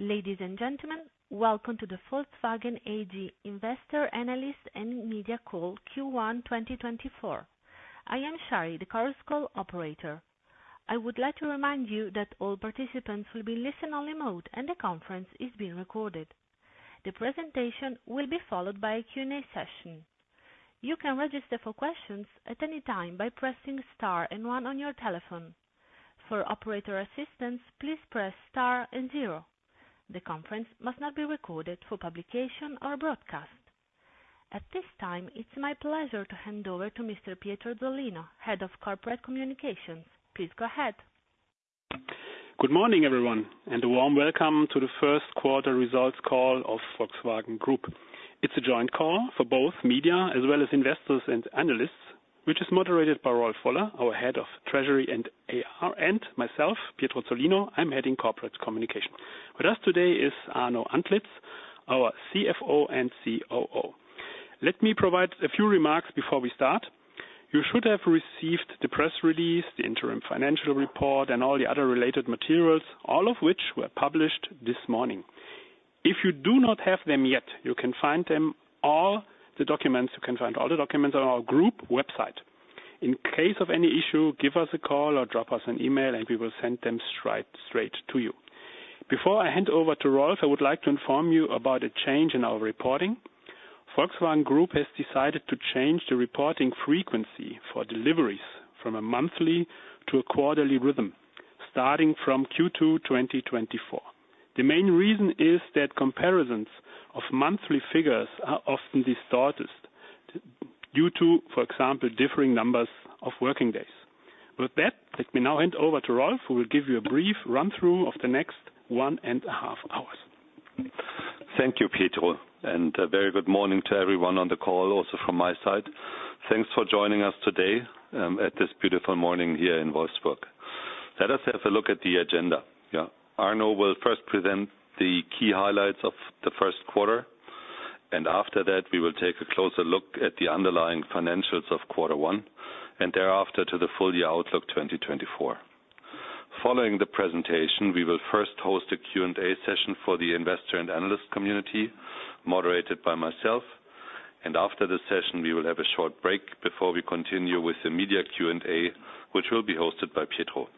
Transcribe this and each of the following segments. Ladies and gentlemen, welcome to the Volkswagen AG investor, analyst, and media call Q1 2024. I am Shari, the call operator. I would like to remind you that all participants will be in listen-only mode, and the conference is being recorded. The presentation will be followed by a Q&A session. You can register for questions at any time by pressing star and one on your telephone. For operator assistance, please press star and zero. The conference must not be recorded for publication or broadcast. At this time, it's my pleasure to hand over to Mr. Pietro Zollino, head of corporate communications. Please go ahead. Good morning, everyone, and a warm welcome to the Q1 results call of Volkswagen Group. It's a joint call for both media as well as investors and analysts, which is moderated by Rolf Woller, our head of treasury and IR, and myself, Pietro Zollino. I'm heading corporate communication. With us today is Arno Antlitz, our CFO and COO. Let me provide a few remarks before we start. You should have received the press release, the interim financial report, and all the other related materials, all of which were published this morning. If you do not have them yet, you can find them all the documents you can find all the documents on our group website. In case of any issue, give us a call or drop us an email, and we will send them straight, straight to you. Before I hand over to Rolf, I would like to inform you about a change in our reporting. Volkswagen Group has decided to change the reporting frequency for deliveries from a monthly to a quarterly rhythm, starting from Q2 2024. The main reason is that comparisons of monthly figures are often distorted due to, for example, differing numbers of working days. With that, let me now hand over to Rolf, who will give you a brief run-through of the next one and a half hours. Thank you, Pietro, and a very good morning to everyone on the call also from my side. Thanks for joining us today at this beautiful morning here in Wolfsburg. Let us have a look at the agenda? Arno will first present the key highlights of the Q1, and after that, we will take a closer look at the underlying financials of quarter one, and thereafter to the full year outlook 2024. Following the presentation, we will first host a Q&A session for the investor and analyst community, moderated by myself. And after the session, we will have a short break before we continue with the media Q&A, which will be hosted by Pietro.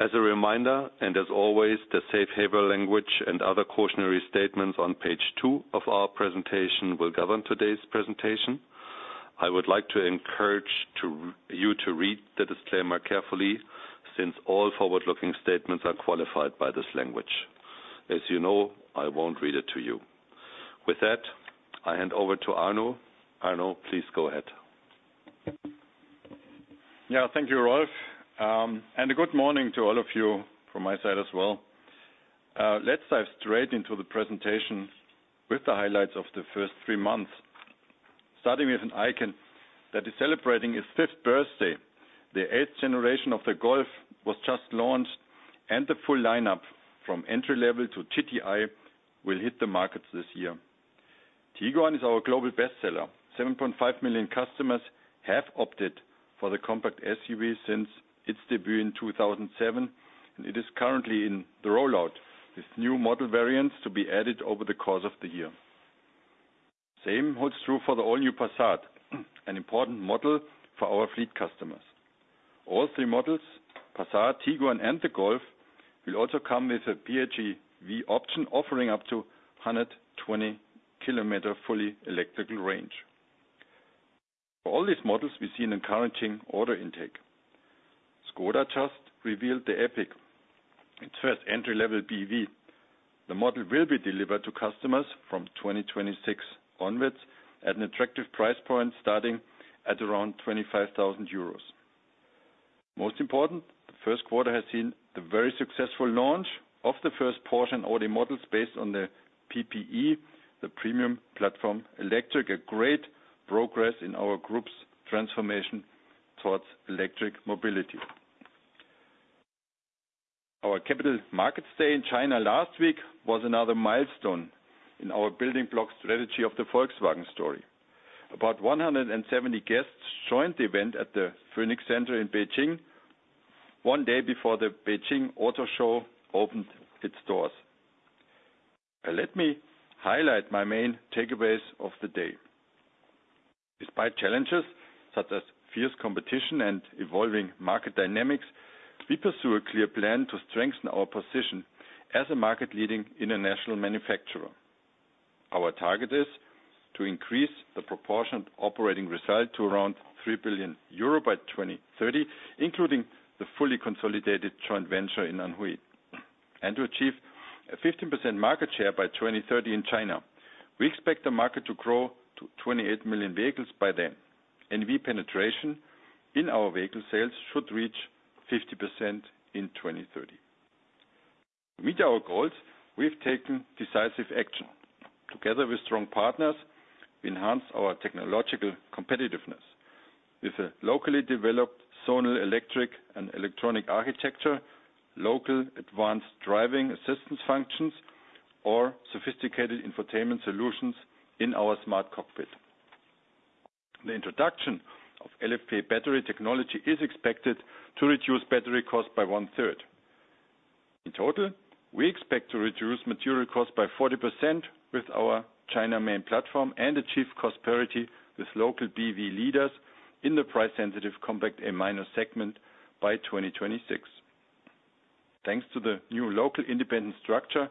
As a reminder, and as always, the safe-harbor language and other cautionary statements on page two of our presentation will govern today's presentation. I would like to encourage you to read the disclaimer carefully since all forward-looking statements are qualified by this language. As you know, I won't read it to you. With that, I hand over to Arno. Arno, please go ahead. Thank you, Rolf. And a good morning to all of you from my side as well. Let's dive straight into the presentation with the highlights of the first three months, starting with an icon that is celebrating its fifth birthday. The eighth generation of the Golf was just launched, and the full lineup from entry-level to GTI will hit the markets this year. Tiguan is our global bestseller. 7.5 million customers have opted for the compact SUV since its debut in 2007, and it is currently in the rollout with new model variants to be added over the course of the year. Same holds true for the all-new Passat, an important model for our fleet customers. All three models, Passat, Tiguan, and the Golf, will also come with a PHEV option offering up to 120 km fully electrical range. For all these models, we see an encouraging order intake. ŠKODA just revealed the Epiq, its first entry-level BEV. The model will be delivered to customers from 2026 onwards at an attractive price point starting at around 25,000 euros. Most important, the Q1 has seen the very successful launch of the first Porsche and Audi models based on the PPE, the Premium Platform Electric, a great progress in our group's transformation towards electric mobility. Our capital markets day in China last week was another milestone in our building block strategy of the Volkswagen story. About 170 guests joined the event at the Phoenix Center in Beijing one day before the Beijing Auto Show opened its doors. Let me highlight my main takeaways of the day. Despite challenges such as fierce competition and evolving market dynamics, we pursue a clear plan to strengthen our position as a market-leading international manufacturer. Our target is to increase the proportion of operating result to around 3 billion euro by 2030, including the fully consolidated joint venture in Anhui, and to achieve a 15% market share by 2030 in China. We expect the market to grow to 28 million vehicles by then, and vehicle penetration in our vehicle sales should reach 50% in 2030. To meet our goals, we've taken decisive action. Together with strong partners, we enhanced our technological competitiveness with a locally developed zonal electric and electronic architecture, local advanced driving assistance functions, or sophisticated infotainment solutions in our smart cockpit. The introduction of LFP battery technology is expected to reduce battery costs by one-third. In total, we expect to reduce material costs by 40% with our China Main Platform and achieve cost parity with local BEV leaders in the price-sensitive compact A-minus segment by 2026. Thanks to the new local independent structure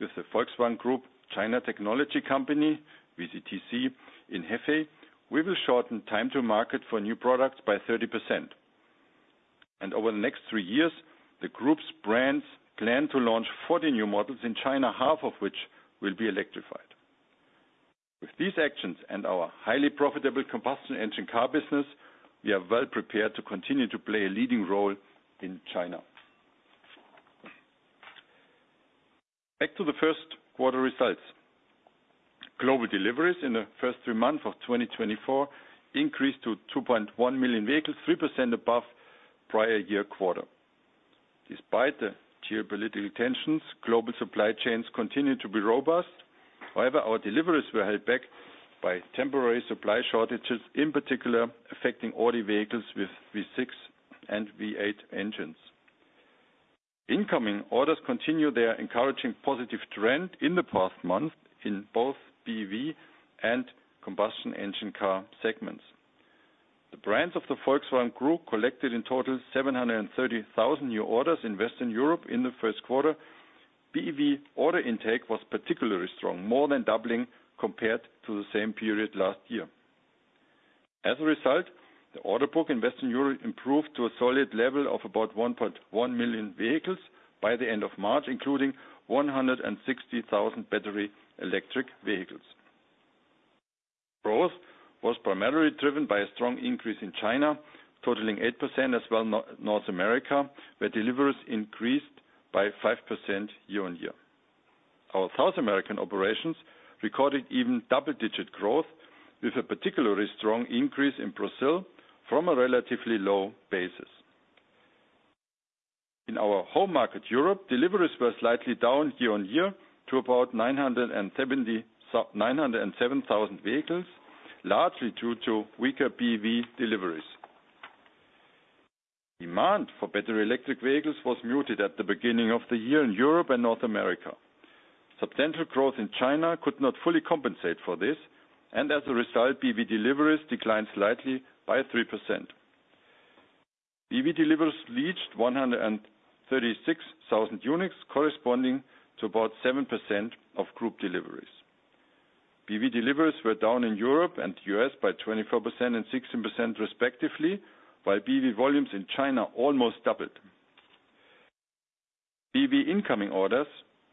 with the Volkswagen Group China Technology Company, VCTC, in Hefei, we will shorten time to market for new products by 30%. Over the next three years, the group's brands plan to launch 40 new models in China, half of which will be electrified. With these actions and our highly profitable combustion engine car business, we are well prepared to continue to play a leading role in China. Back to the Q1 results. Global deliveries in the first three months of 2024 increased to 2.1 million vehicles, 3% above prior year quarter. Despite the geopolitical tensions, global supply chains continue to be robust. However, our deliveries were held back by temporary supply shortages, in particular affecting Audi vehicles with V6 and V8 engines. Incoming orders continue their encouraging positive trend in the past month in both BEV and combustion engine car segments. The brands of the Volkswagen Group collected in total 730,000 new orders in Western Europe in the Q1. BEV order intake was particularly strong, more than doubling compared to the same period last year. As a result, the order book in Western Europe improved to a solid level of about 1.1 million vehicles by the end of March, including 160,000 battery electric vehicles. Growth was primarily driven by a strong increase in China, totaling 8%, as well as North America, where deliveries increased by 5% year-over-year. Our South American operations recorded even double-digit growth, with a particularly strong increase in Brazil from a relatively low basis. In our home market, Europe, deliveries were slightly down year-over-year to about 970,000 vehicles, largely due to weaker BEV deliveries. Demand for battery electric vehicles was muted at the beginning of the year in Europe and North America. Substantial growth in China could not fully compensate for this, and as a result, BEV deliveries declined slightly by 3%. BEV deliveries reached 136,000 units, corresponding to about 7% of group deliveries. BEV deliveries were down in Europe and the U.S. by 24% and 16% respectively, while BEV volumes in China almost doubled. BEV incoming orders,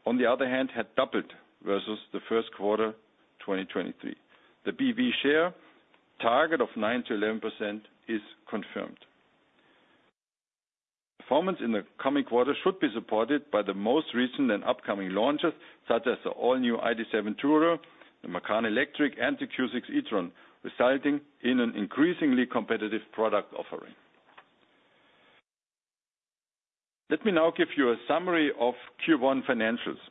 on the other hand, had doubled versus the Q1 2023. The BEV share target of 9%-11% is confirmed. Performance in the coming quarter should be supported by the most recent and upcoming launches, such as the all-new ID.7 Tourer, the Macan Electric, and the Q6 e-tron, resulting in an increasingly competitive product offering. Let me now give you a summary of Q1 financials.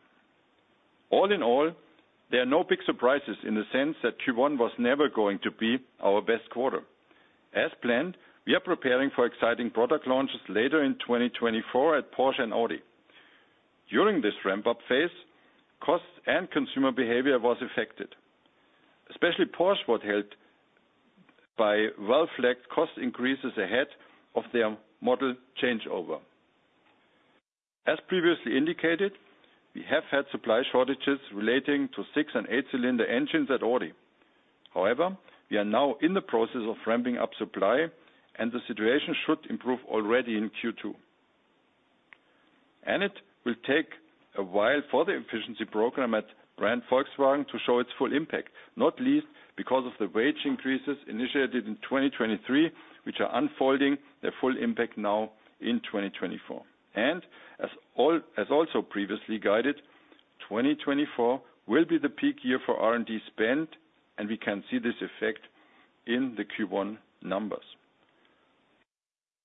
All in all, there are no big surprises in the sense that Q1 was never going to be our best quarter. As planned, we are preparing for exciting product launches later in 2024 at Porsche and Audi. During this ramp-up phase, costs and consumer behavior were affected, especially Porsche was held by well-flagged cost increases ahead of their model changeover. As previously indicated, we have had supply shortages relating to 6 and 8-cylinder engines at Audi. However, we are now in the process of ramping up supply, and the situation should improve already in Q2. It will take a while for the efficiency program at brand Volkswagen to show its full impact, not least because of the wage increases initiated in 2023, which are unfolding their full impact now in 2024. As all as also previously guided, 2024 will be the peak year for R&D spend, and we can see this effect in the Q1 numbers.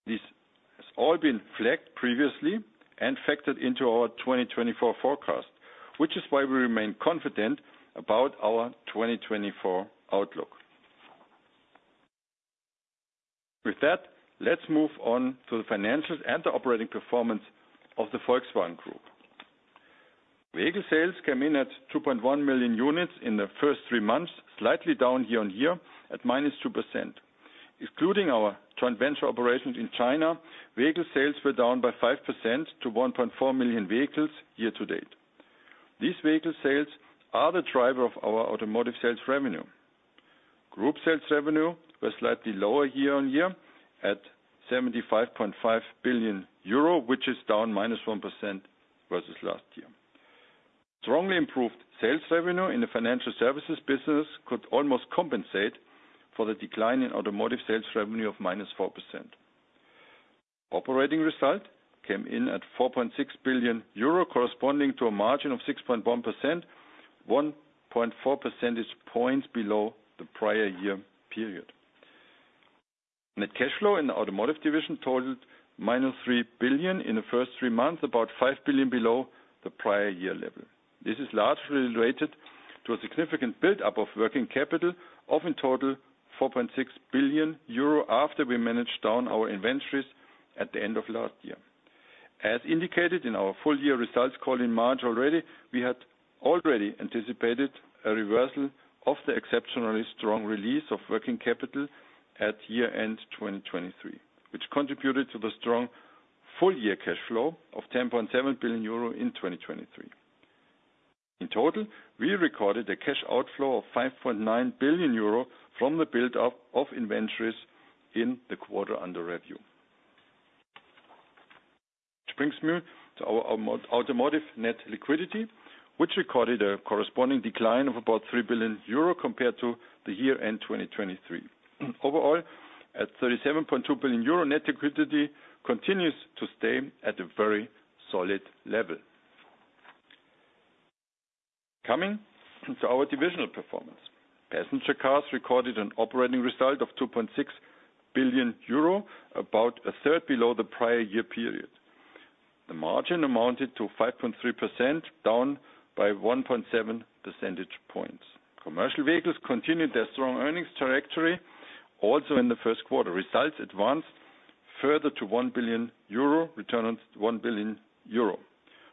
These have all been flagged previously and factored into our 2024 forecast, which is why we remain confident about our 2024 outlook. With that, let's move on to the financials and the operating performance of the Volkswagen Group. Vehicle sales came in at 2.1 million units in the first three months, slightly down year on year at -2%. Excluding our joint venture operations in China, vehicle sales were down by -5% to 1.4 million vehicles year to date. These vehicle sales are the driver of our automotive sales revenue. Group sales revenue was slightly lower year on year at 75.5 billion euro, which is down -1% versus last year. Strongly improved sales revenue in the financial services business could almost compensate for the decline in automotive sales revenue of -4%. Operating result came in at 4.6 billion euro, corresponding to a margin of 6.1%, 1.4 percentage points below the prior year period. Net cash flow in the automotive division totaled minus 3 billion in the first three months, about 5 billion below the prior year level. This is largely related to a significant buildup of working capital, of in total 4.6 billion euro, after we managed down our inventories at the end of last year. As indicated in our full year results call in March already, we had already anticipated a reversal of the exceptionally strong release of working capital at year-end 2023, which contributed to the strong full year cash flow of 10.7 billion euro in 2023. In total, we recorded a cash outflow of 5.9 billion euro from the buildup of inventories in the quarter under review. This brings me to our automotive net liquidity, which recorded a corresponding decline of about 3 billion euro compared to the year-end 2023. Overall, at 37.2 billion euro, net liquidity continues to stay at a very solid level. Coming to our divisional performance, passenger cars recorded an operating result of 2.6 billion euro, about a third below the prior year period. The margin amounted to 5.3%, down by 1.7 percentage points. Commercial vehicles continued their strong earnings trajectory also in the Q1. Results advanced further to 1 billion euro, return on 1 billion euro.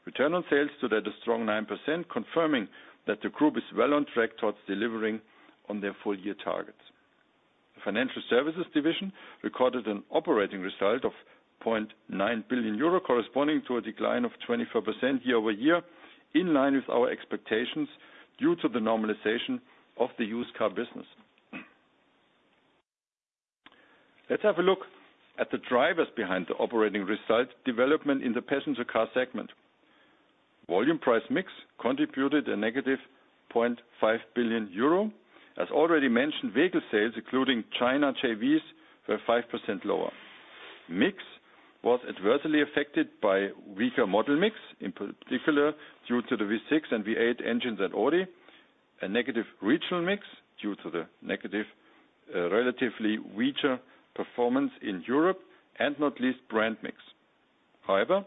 Return on sales today is a strong 9%, confirming that the group is well on track towards delivering on their full year targets. The financial services division recorded an operating result of 0.9 billion euro, corresponding to a decline of 24% year-over-year, in line with our expectations due to the normalization of the used car business. Let's have a look at the drivers behind the operating result development in the passenger car segment. Volume price mix contributed a negative 0.5 billion euro. As already mentioned, vehicle sales, including China JVs, were 5% lower. Mix was adversely affected by weaker model mix, in particular due to the V6 and V8 engines at Audi, a negative regional mix due to the negative relatively weaker performance in Europe, and not least, brand mix. However,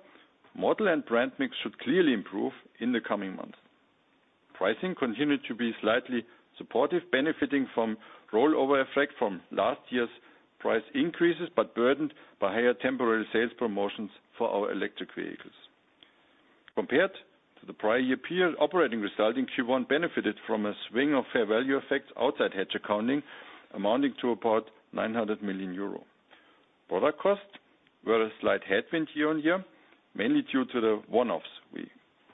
model and brand mix should clearly improve in the coming months. Pricing continued to be slightly supportive, benefiting from rollover effect from last year's price increases but burdened by higher temporary sales promotions for our electric vehicles. Compared to the prior year period, operating result in Q1 benefited from a swing of fair value effects outside hedge accounting, amounting to about 900 million euro. Product costs were a slight headwind year-on-year, mainly due to the one-offs.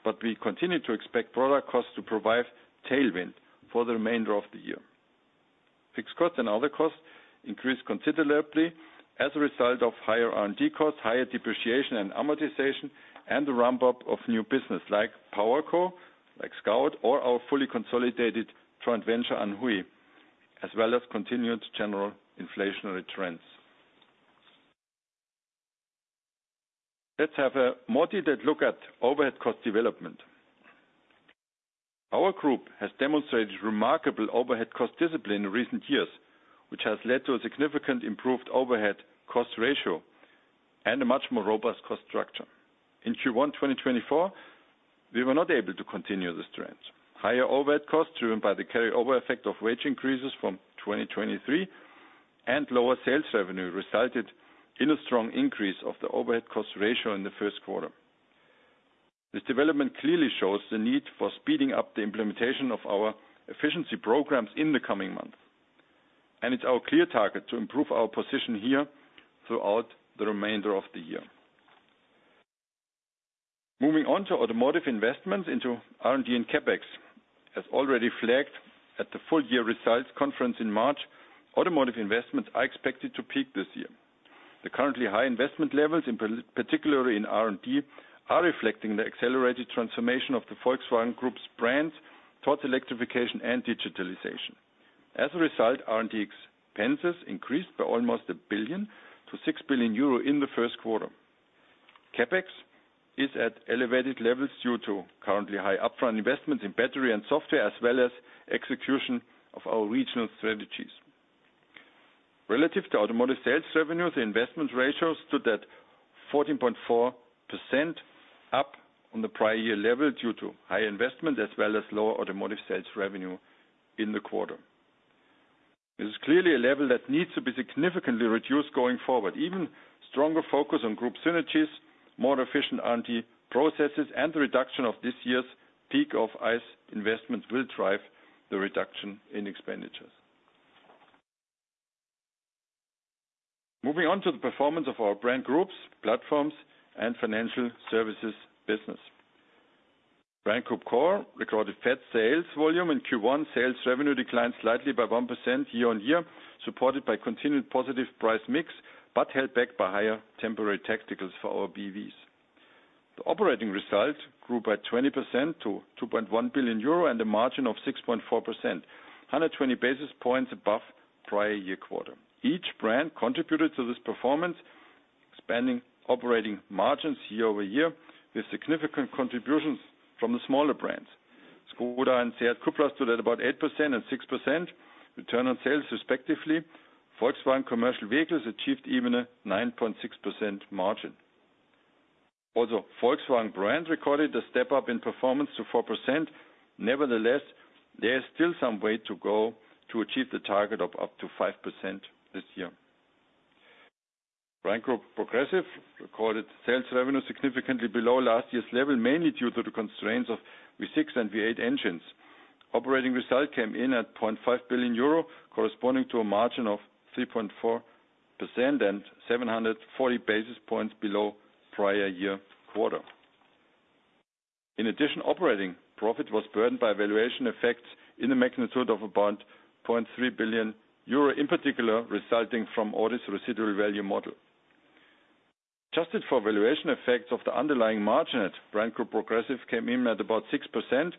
But we continue to expect product costs to provide tailwind for the remainder of the year. Fixed costs and other costs increased considerably as a result of higher R&D costs, higher depreciation and amortization, and the ramp-up of new business like PowerCo, like Scout, or our fully consolidated joint venture Anhui, as well as continued general inflationary trends. Let's have a more detailed look at overhead cost development. Our group has demonstrated remarkable overhead cost discipline in recent years, which has led to a significant improved overhead cost ratio and a much more robust cost structure. In Q1 2024, we were not able to continue this trend. Higher overhead costs driven by the carryover effect of wage increases from 2023 and lower sales revenue resulted in a strong increase of the overhead cost ratio in the Q1. This development clearly shows the need for speeding up the implementation of our efficiency programs in the coming months. It's our clear target to improve our position here throughout the remainder of the year. Moving on to automotive investments into R&D and CAPEX. As already flagged at the full year results conference in March, automotive investments are expected to peak this year. The currently high investment levels, in particular in R&D, are reflecting the accelerated transformation of the Volkswagen Group's brands towards electrification and digitalization. As a result, R&D expenses increased by almost 1 billion to 6 billion euro in the Q1. CAPEX is at elevated levels due to currently high upfront investments in battery and software, as well as execution of our regional strategies. Relative to automotive sales revenue, the investment ratios stood at 14.4% up on the prior year level due to high investment, as well as lower automotive sales revenue in the quarter. This is clearly a level that needs to be significantly reduced going forward. Even stronger focus on group synergies, more efficient R&D processes, and the reduction of this year's peak of ICE investments will drive the reduction in expenditures. Moving on to the performance of our brand groups, platforms, and financial services business. Brand Group Core recorded flat sales volume. In Q1, sales revenue declined slightly by 1% year-on-year, supported by continued positive price mix but held back by higher temporary tacticals for our BEVs. The operating result grew by 20% to 2.1 billion euro and a margin of 6.4%, 120 basis points above prior-year quarter. Each brand contributed to this performance, expanding operating margins year-over-year with significant contributions from the smaller brands. ŠKODA and SEAT CUPRA stood at about 8% and 6% return on sales, respectively. Volkswagen Commercial Vehicles achieved even a 9.6% margin. Also, Volkswagen brand recorded a step up in performance to 4%. Nevertheless, there is still some way to go to achieve the target of up to 5% this year. Brand Group Progressive recorded sales revenue significantly below last year's level, mainly due to the constraints of V6 and V8 engines. Operating result came in at 0.5 billion euro, corresponding to a margin of 3.4% and 740 basis points below prior-year quarter. In addition, operating profit was burdened by valuation effects in the magnitude of about 0.3 billion euro, in particular resulting from Audi's residual value model. Adjusted for valuation effects, the underlying margin at Brand Group Progressive came in at about 6%,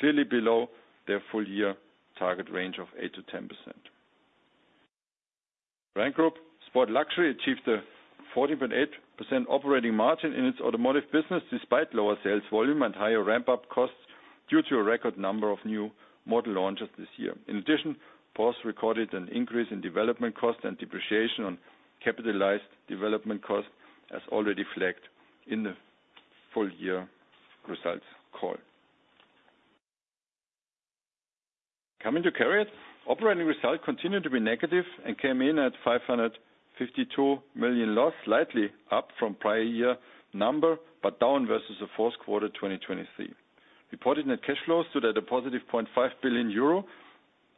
clearly below their full year target range of 8%-10%. Brand Group Sport Luxury achieved a 14.8% operating margin in its automotive business despite lower sales volume and higher ramp-up costs due to a record number of new model launches this year. In addition, Porsche recorded an increase in development cost and depreciation on capitalized development cost, as already flagged in the full year results call. Coming to TRATON, operating result continued to be negative and came in at 552 million loss, slightly up from prior year number but down versus the Q4 2023. Reported net cash flows stood at a positive 0.5 billion euro,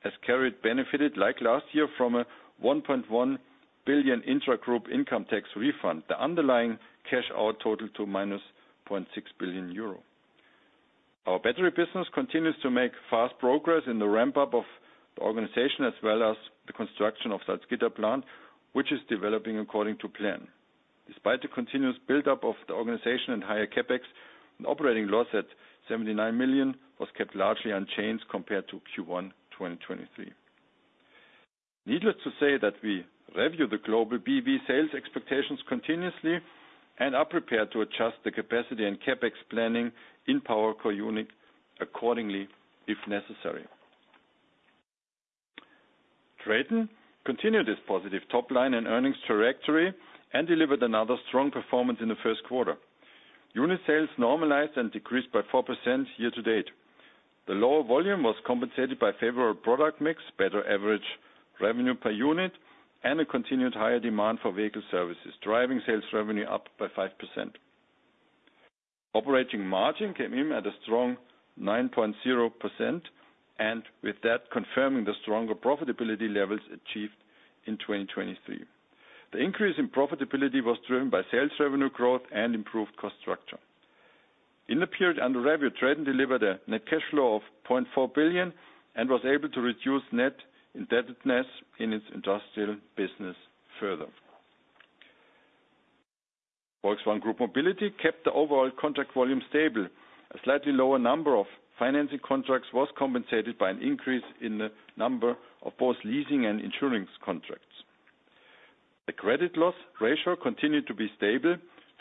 as CFO benefited, like last year, from a 1.1 billion intra-group income tax refund, the underlying cash flow totaled to -0.6 billion euro. Our battery business continues to make fast progress in the ramp-up of the organization, as well as the construction of Salzgitter plant, which is developing according to plan. Despite the continuous build-up of the organization and higher CAPEX, an operating loss at 79 million was kept largely unchanged compared to Q1 2023. Needless to say that we review the global BEV sales expectations continuously and are prepared to adjust the capacity and CAPEX planning in PowerCo unit accordingly if necessary. TRATON continued its positive topline and earnings trajectory and delivered another strong performance in the Q1. Unit sales normalized and decreased by 4% year to date. The lower volume was compensated by favorable product mix, better average revenue per unit, and a continued higher demand for vehicle services, driving sales revenue up by 5%. Operating margin came in at a strong 9.0% and with that confirming the stronger profitability levels achieved in 2023. The increase in profitability was driven by sales revenue growth and improved cost structure. In the period under review, Traton delivered a net cash flow of 0.4 billion and was able to reduce net indebtedness in its industrial business further. Volkswagen Group Mobility kept the overall contract volume stable. A slightly lower number of financing contracts was compensated by an increase in the number of both leasing and insurance contracts. The credit loss ratio continued to be stable.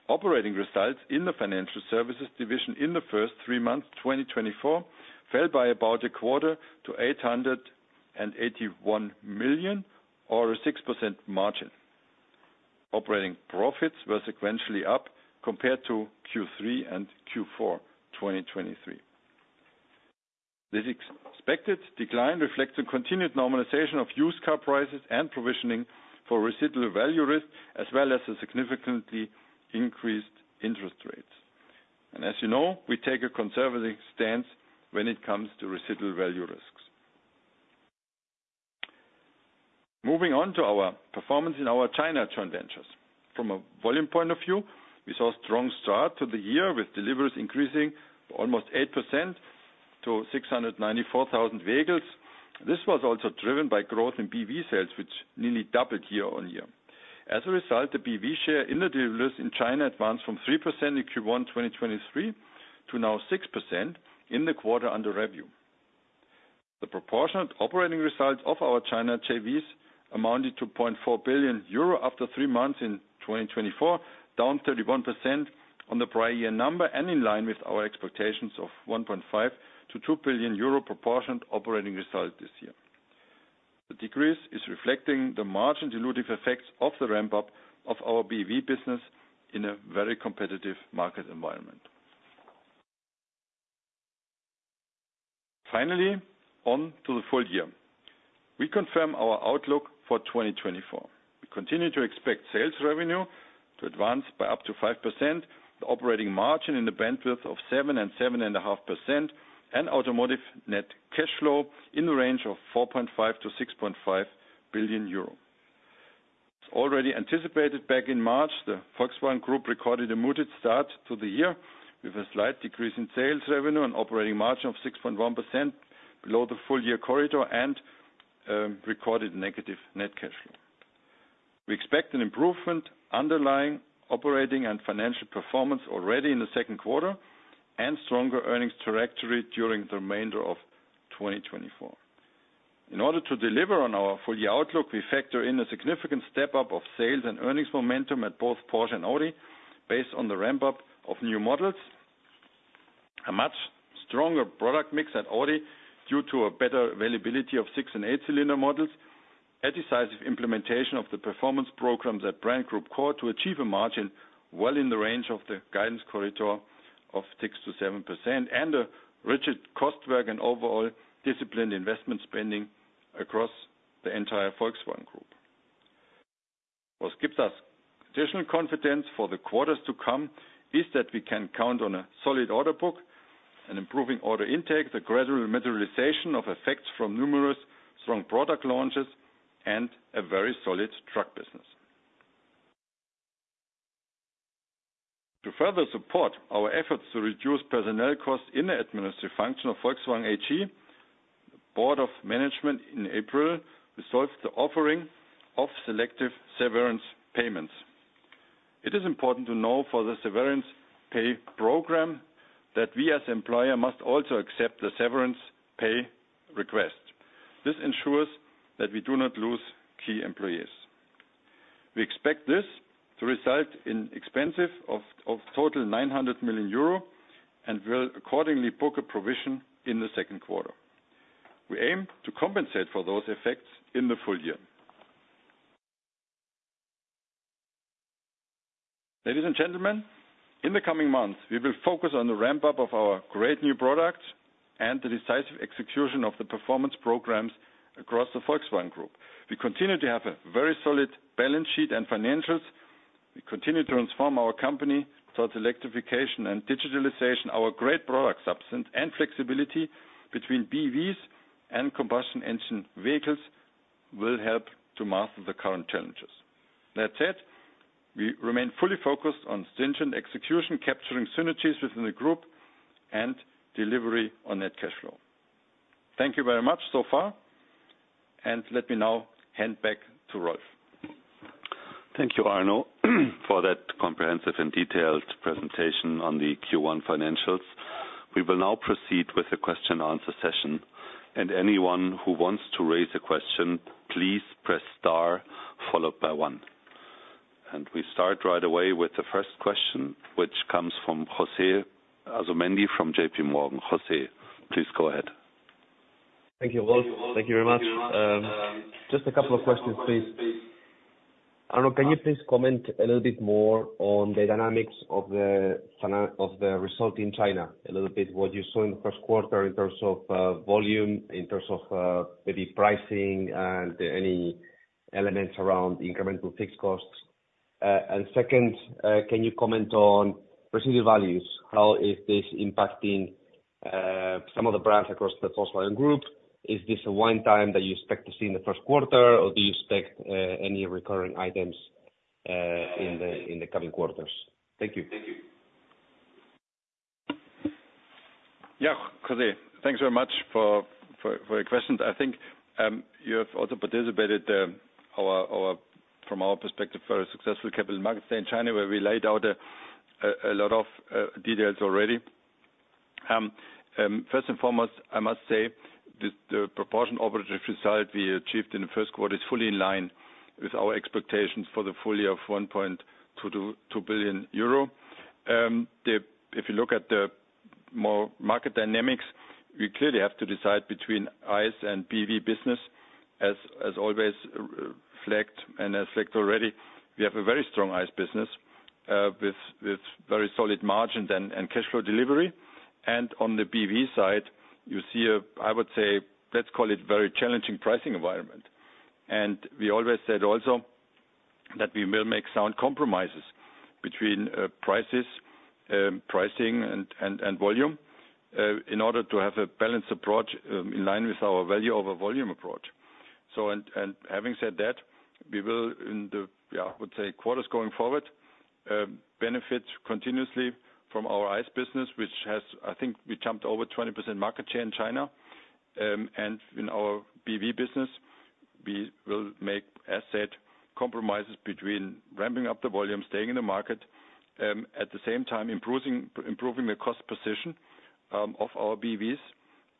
Operating results in the financial services division in the first three months 2024 fell by about a quarter to 881 million, or a 6% margin. Operating profits were sequentially up compared to Q3 and Q4 2023. This expected decline reflects a continued normalization of used car prices and provisioning for residual value risk, as well as a significantly increased interest rates. And as you know, we take a conservative stance when it comes to residual value risks. Moving on to our performance in our China joint ventures. From a volume point of view, we saw a strong start to the year with deliveries increasing almost 8% to 694,000 vehicles. This was also driven by growth in BV sales, which nearly doubled year-over-year. As a result, the BV share in the deliveries in China advanced from 3% in Q1 2023 to now 6% in the quarter under review. The proportionate operating results of our China JVs amounted to 0.4 billion euro after three months in 2024, down 31% on the prior year number and in line with our expectations of 1.5 billion-2 billion euro proportionate operating result this year. The decrease is reflecting the margin dilutive effects of the ramp-up of our BV business in a very competitive market environment. Finally, on to the full year. We confirm our outlook recorded negative net cash flow. We expect an improvement underlying operating and financial performance already in the Q2 and stronger earnings trajectory during the remainder of 2024. In order to deliver on our full year outlook, we factor in a significant step up of sales and earnings momentum at both Porsche and Audi based on the ramp-up of new models, a much stronger product mix at Audi due to a better availability of six and eight-cylinder models, a decisive implementation of the performance programs at Brand Group Core to achieve a margin well in the range of the guidance corridor of 6%-7%, and a rigid cost work and overall disciplined investment spending across the entire Volkswagen Group. What gives us additional confidence for the quarters to come is that we can count on a solid order book, an improving order intake, the gradual materialization of effects from numerous strong product launches, and a very solid truck business. To further support our efforts to reduce personnel costs in the administrative function of Volkswagen AG, the board of management in April resolved the offering of selective severance payments. It is important to know for the severance pay program that we, as an employer, must also accept the severance pay request. This ensures that we do not lose key employees. We expect this to result in expenses of total 900 million euro and will accordingly book a provision in the Q2. We aim to compensate for those effects in the full year. Ladies and gentlemen, in the coming months, we will focus on the ramp-up of our great new product and the decisive execution of the performance programs across the Volkswagen Group. We continue to have a very solid balance sheet and financials. We continue to transform our company towards electrification and digitalization. Our great product substance and flexibility between BEVs and combustion engine vehicles will help to master the current challenges. That said, we remain fully focused on stringent execution, capturing synergies within the group, and delivery on net cash flow. Thank you very much so far. Let me now hand back to Rolf. Thank you, Arno, for that comprehensive and detailed presentation on the Q1 financials. We will now proceed with a Q&A session. Anyone who wants to raise a question, please press star followed by 1. We start right away with the first question, which comes from José Asumendi from JP Morgan. José, please go ahead. Thank you, Rolf. Thank you very much. Just a couple of questions, please. Arno, can you please comment a little bit more on the dynamics of the result in China? A little bit what you saw in the Q1 in terms of volume, in terms of maybe pricing, and any elements around incremental fixed costs. And second, can you comment on residual values? How is this impacting some of the brands across the Volkswagen Group? Is this a one-time that you expect to see in the Q1, or do you expect any recurring items in the coming quarters? Thank you. Thank you, José. Thanks very much for your questions. I think you have also participated from our perspective very successful capital markets day in China, where we laid out a lot of details already. First and foremost, I must say the proportionate operating result we achieved in the Q1 is fully in line with our expectations for the full year of 1.2 billion euro. If you look at the more market dynamics, we clearly have to decide between ICE and BEV business, as always flagged and as flagged already. We have a very strong ICE business with very solid margins and cash flow delivery. And on the BEV side, you see a, I would say, let's call it very challenging pricing environment. And we always said also that we will make sound compromises between pricing and volume in order to have a balanced approach in line with our value over volume approach. So having said that, we will, in the, I would say quarters going forward, benefit continuously from our ICE business, which has, I think, we jumped over 20% market share in China. And in our BEV business, we will make, as said, compromises between ramping up the volume, staying in the market, at the same time improving the cost position of our BEVs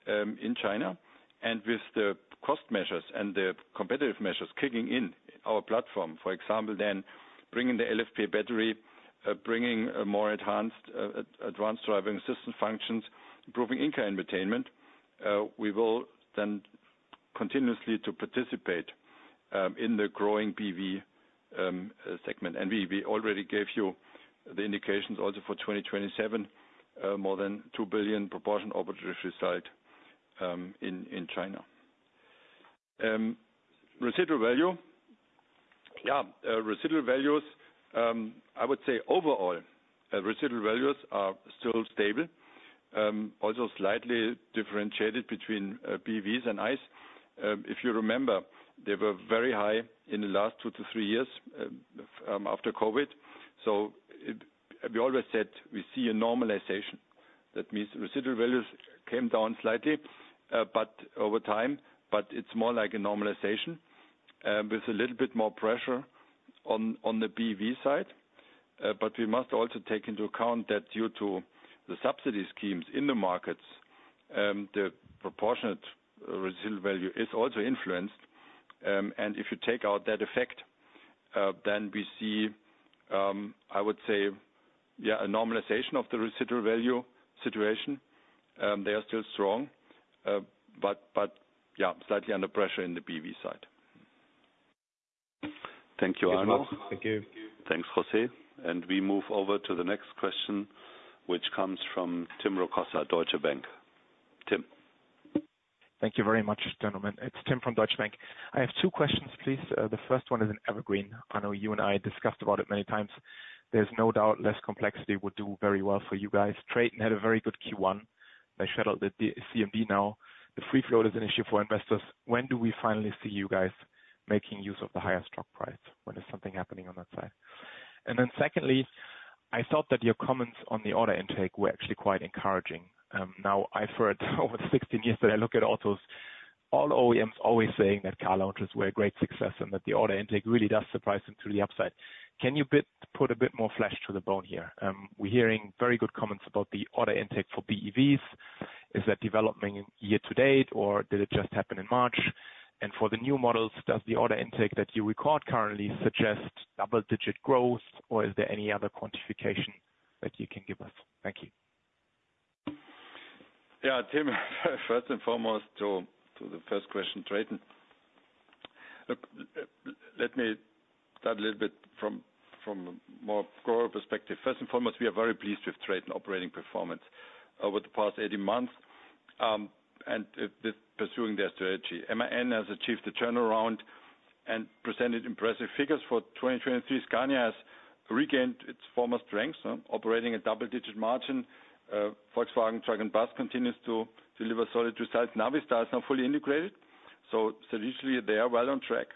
in China. And with the cost measures and the competitive measures kicking in our platform, for example, then bringing the LFP battery, bringing more advanced driving assistance functions, improving in-car entertainment, we will then continuously participate in the growing BEV segment. And we already gave you the indications also for 2027, more than 2 billion proportion operative result in China. Residual value. Residual values, I would say overall, residual values are still stable, also slightly differentiated between BEVs and ICE. If you remember, they were very high in the last two to three years after COVID. So we always said we see a normalization. That means residual values came down slightly over time, but it's more like a normalization with a little bit more pressure on the BV side. But we must also take into account that due to the subsidy schemes in the markets, the proportionate residual value is also influenced. And if you take out that effect, then we see, I would say a normalization of the residual value situation. They are still strong, but slightly under pressure in the BV side. Thank you, Arno. Thank you. Thanks, José. And we move over to the next question, which comes from Tim Rokossa, Deutsche Bank. Tim. Thank you very much, gentlemen. It's Tim from Deutsche Bank. I have two questions, please. The first one is an evergreen. Arno, you and I discussed about it many times. There's no doubt less complexity would do very well for you guys. Traton had a very good Q1. They shuttled the CMD now. The free float is an issue for investors. When do we finally see you guys making use of the higher stock price when there's something happening on that side? And then secondly, I thought that your comments on the order intake were actually quite encouraging. Now, I've heard over 16 years that I look at autos, all OEMs always saying that car launches were a great success and that the order intake really does surprise them to the upside. Can you put a bit more flesh to the bone here? We're hearing very good comments about the order intake for BEVs. Is that developing year to date, or did it just happen in March? For the new models, does the order intake that you record currently suggest double-digit growth, or is there any other quantification that you can give us? Thank you. Tim, first and foremost, to the first question, TRATON. Let me start a little bit from a more global perspective. First and foremost, we are very pleased with TRATON operating performance over the past 18 months and pursuing their strategy. MAN has achieved the turnaround and presented impressive figures for 2023. Scania has regained its former strengths, operating a double-digit margin. Volkswagen Truck and Bus continues to deliver solid results. Navistar is now fully integrated. So strategically, they are well on track.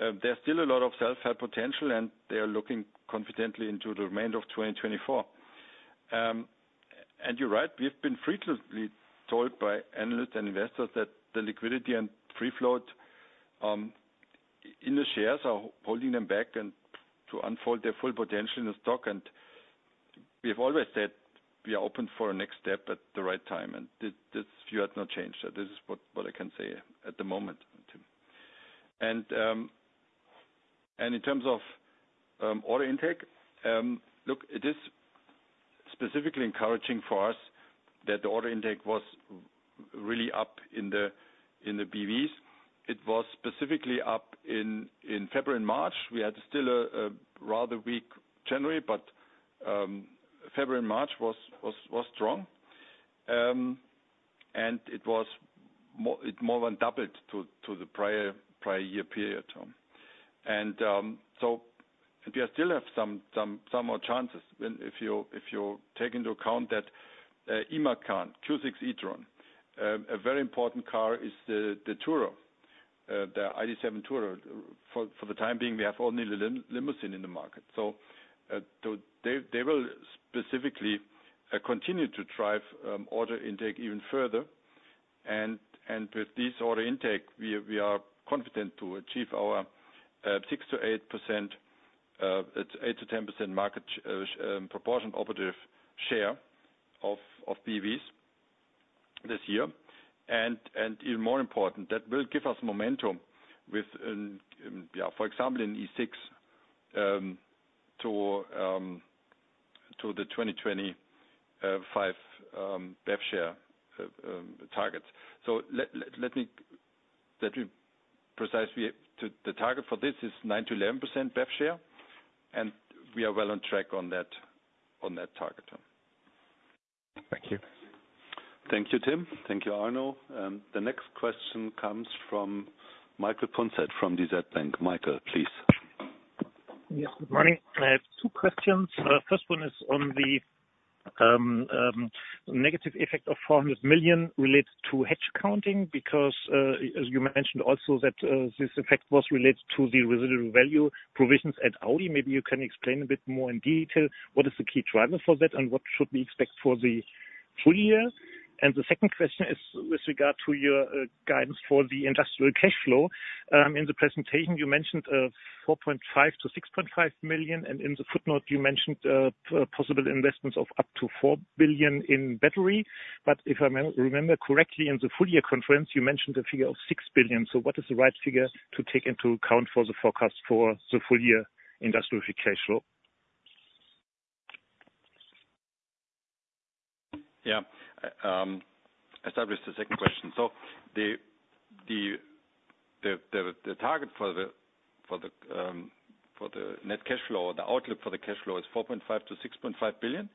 There's still a lot of self-help potential, and they are looking confidently into the remainder of 2024. And you're right. We've been frequently told by analysts and investors that the liquidity and free float in the shares are holding them back to unfold their full potential in the stock. We have always said we are open for a next step at the right time. This view has not changed. This is what I can say at the moment, Tim. In terms of order intake, look, it is specifically encouraging for us that the order intake was really up in the BEVs. It was specifically up in February and March. We had still a rather weak January, but February and March was strong. It more than doubled to the prior year period. We still have some more chances if you take into account that a Macan, Q6 e-tron, a very important car, is the Tourer, the ID.7 Tourer. For the time being, we have only the limousine in the market. So they will specifically continue to drive order intake even further. With this order intake, we are confident to achieve our 6%-8%, 8%-10% market proportion operative share of BEVs this year. Even more important, that will give us momentum with, for example, an E6 to the 2025 BEV share targets. So let me specify the target for this is 9%-11% BEV share. We are well on track on that target. Thank you. Thank you, Tim. Thank you, Arno. The next question comes from Michael Punzet from DZ Bank. Michael, please. Yes, good morning. I have two questions. First one is on the negative effect of 400 million related to hedge accounting because, as you mentioned also, that this effect was related to the residual value provisions at Audi. Maybe you can explain a bit more in detail what is the key driver for that and what should we expect for the full year. The second question is with regard to your guidance for the industrial cash flow. In the presentation, you mentioned 4.5 million-6.5 million. And in the footnote, you mentioned possible investments of up to 4 billion in battery. But if I remember correctly, in the full year conference, you mentioned a figure of 6 billion. So what is the right figure to take into account for the forecast for the full year industrial cash flow? I start with the second question. The target for the net cash flow or the outlook for the cash flow is 4.5 billion-6.5 billion.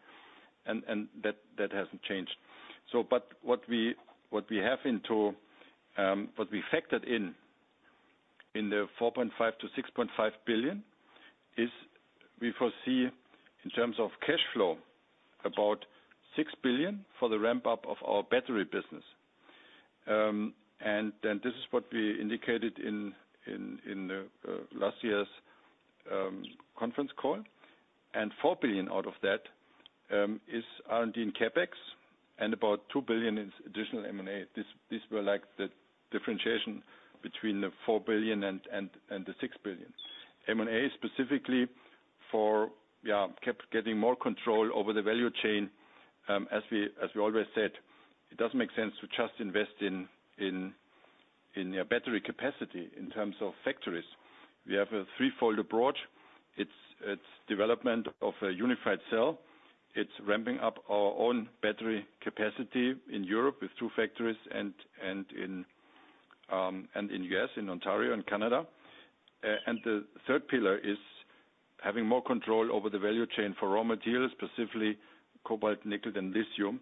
That hasn't changed. But what we have into, what we factored in in the 4.5 billion-6.5 billion is we foresee in terms of cash flow about 6 billion for the ramp-up of our battery business. And then this is what we indicated in last year's conference call. And 4 billion out of that is R&D and CAPEX, and about 2 billion is additional M&A. These were the differentiation between the 4 billion and the 6 billion. M&A is specifically for getting more control over the value chain. As we always said, it doesn't make sense to just invest in battery capacity in terms of factories. We have a threefold approach. It's development of a Unified Cell. It's ramping up our own battery capacity in Europe with two factories and in the U.S., in Ontario and Canada. The third pillar is having more control over the value chain for raw materials, specifically cobalt, nickel, and lithium.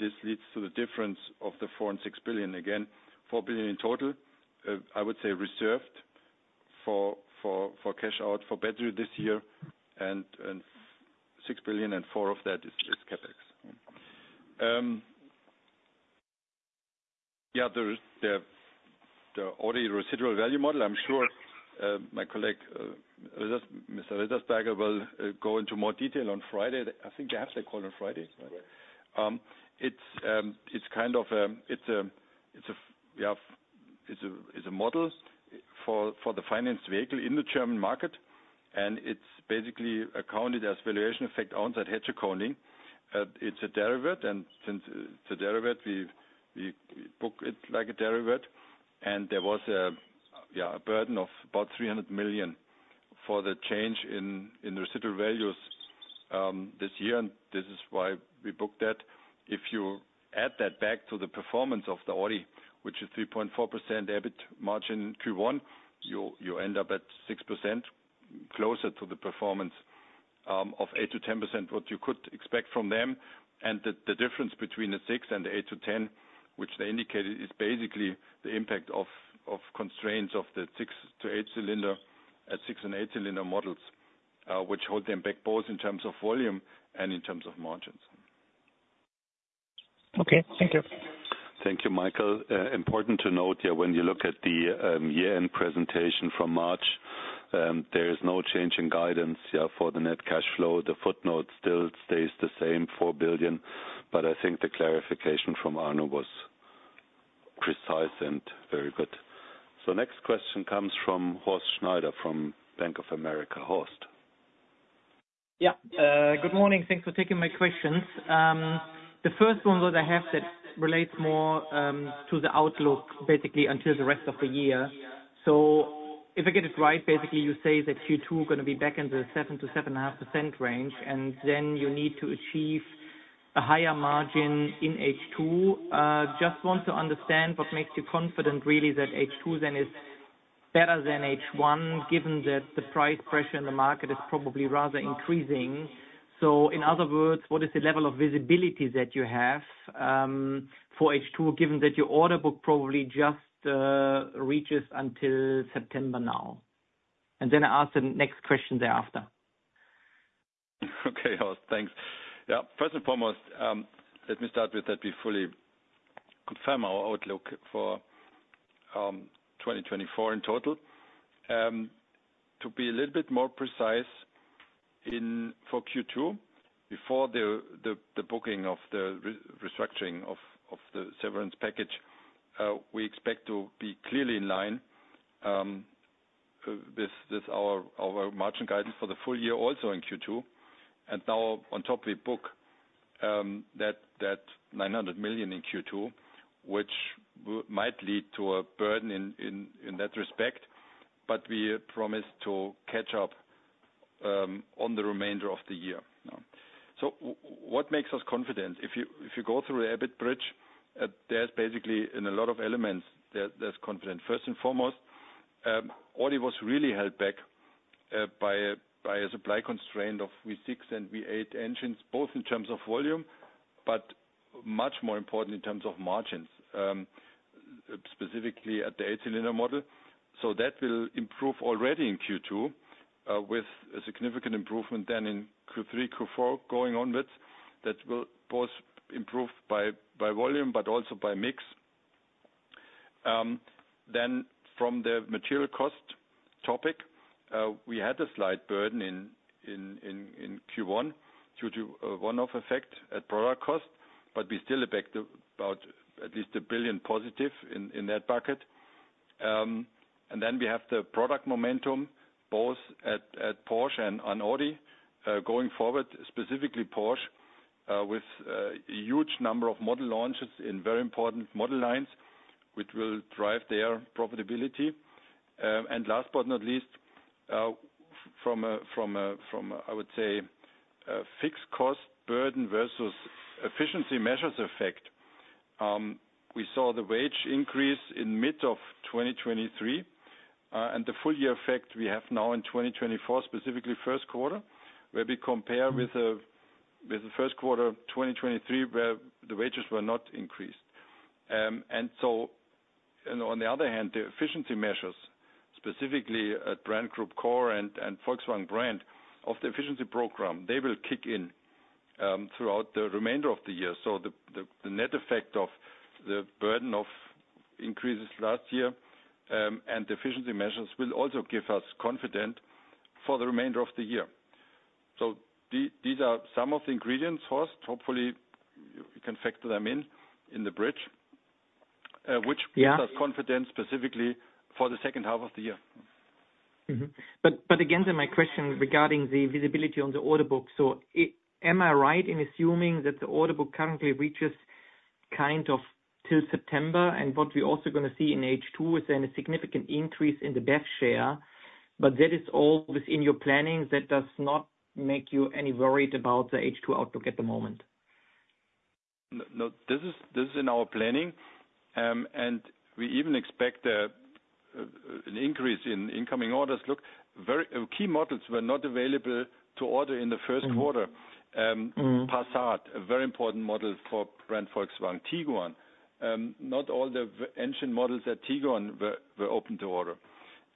This leads to the difference of the 4 billion and 6 billion. Again, 4 billion in total, I would say reserved for cash out for battery this year. And 6 billion and 4 billion of that is CapEx. The Audi residual value model, I'm sure my colleague, Mr. Rittersberger, will go into more detail on Friday. I think they have their call on Friday, right? It's a it's a model for the financed vehicle in the German market. And it's basically accounted as valuation effect on-site hedge accounting. It's a derivative. And since it's a derivative, we book it like a derivative. And there was a burden of about 300 million for the change in residual values this year. And this is why we booked that. If you add that back to the performance of the Audi, which is 3.4% EBIT margin Q1, you end up at 6% closer to the performance of 8%-10% what you could expect from them. And the difference between the 6% and the 8%-10%, which they indicated, is basically the impact of constraints of the 6- to 8-cylinder at 6- and 8-cylinder models, which hold them back both in terms of volume and in terms of margins. Okay. Thank you. Thank you, Michael. Important to note when you look at the year-end presentation from March, there is no change in guidance for the net cash flow. The footnote still stays the same, 4 billion. But I think the clarification from Arno was precise and very good. So next question comes from Horst Schneider from Bank of America. Horst. Good morning. Thanks for taking my questions. The first one that I have that relates more to the outlook, basically, until the rest of the year. So if I get it right, basically, you say that Q2 is going to be back in the 7%-7.5% range, and then you need to achieve a higher margin in H2. Just want to understand what makes you confident, really, that H2 then is better than H1, given that the price pressure in the market is probably rather increasing. So in other words, what is the level of visibility that you have for H2, given that your order book probably just reaches until September now? And then I ask the next question thereafter. Okay, Horst. Thanks. First and foremost, let me start with that we fully confirm our outlook for 2024 in total. To be a little bit more precise for Q2, before the booking of the restructuring of the severance package, we expect to be clearly in line with our margin guidance for the full year also in Q2. And now, on top, we book that 900 million in Q2, which might lead to a burden in that respect. But we promise to catch up on the remainder of the year. So what makes us confident? If you go through the EBIT bridge, there's basically, in a lot of elements, there's confidence. First and foremost, Audi was really held back by a supply constraint of V6 and V8 engines, both in terms of volume, but much more important in terms of margins, specifically at the 8-cylinder model. So that will improve already in Q2 with a significant improvement then in Q3, Q4 going onwards that will both improve by volume but also by mix. Then from the material cost topic, we had a slight burden in Q1 due to one-off effect at product cost, but we still are back to about at least 1 billion positive in that bucket. And then we have the product momentum, both at Porsche and on Audi, going forward, specifically Porsche, with a huge number of model launches in very important model lines, which will drive their profitability. And last but not least, from a, I would say, fixed cost burden versus efficiency measures effect, we saw the wage increase in mid of 2023. And the full year effect, we have now in 2024, specifically Q1, where we compare with the Q1 2023 where the wages were not increased. On the other hand, the efficiency measures, specifically at Brand Group Core and Volkswagen brand of the efficiency program, they will kick in throughout the remainder of the year. The net effect of the burden of increases last year and the efficiency measures will also give us confidence for the remainder of the year. These are some of the ingredients, Horst. Hopefully, you can factor them in the bridge, which gives us confidence specifically for the second half of the year. But again, then my question regarding the visibility on the order book. Am I right in assuming that the order book currently reaches till' September? And what we're also going to see in H2 is then a significant increase in the BEV share. But that is all within your planning. That does not make you any worried about the H2 outlook at the moment? No. This is in our planning. We even expect an increase in incoming orders. Look, key models were not available to order in the Q1. Passat, a very important model for brand Volkswagen, Tiguan. Not all the engine models at Tiguan were open to order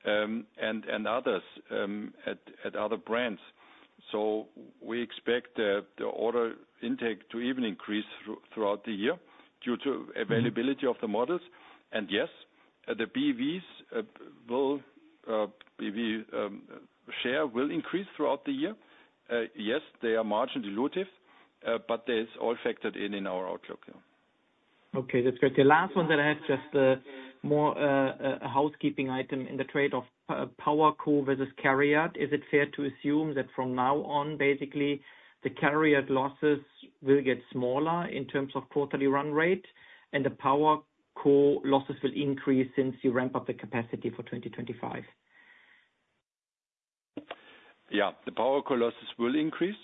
and others at other brands. So we expect the order intake to even increase throughout the year due to availability of the models. And yes, the BEV share will increase throughout the year. Yes, they are margin dilutive, but they're all factored in in our outlook. Okay. That's great. The last one that I have, just more a housekeeping item in the trade-off, PowerCo versus CARIAD. Is it fair to assume that from now on, basically, the CARIAD losses will get smaller in terms of quarterly run rate and the PowerCo losses will increase since you ramp up the capacity for 2025? The PowerCo losses will increase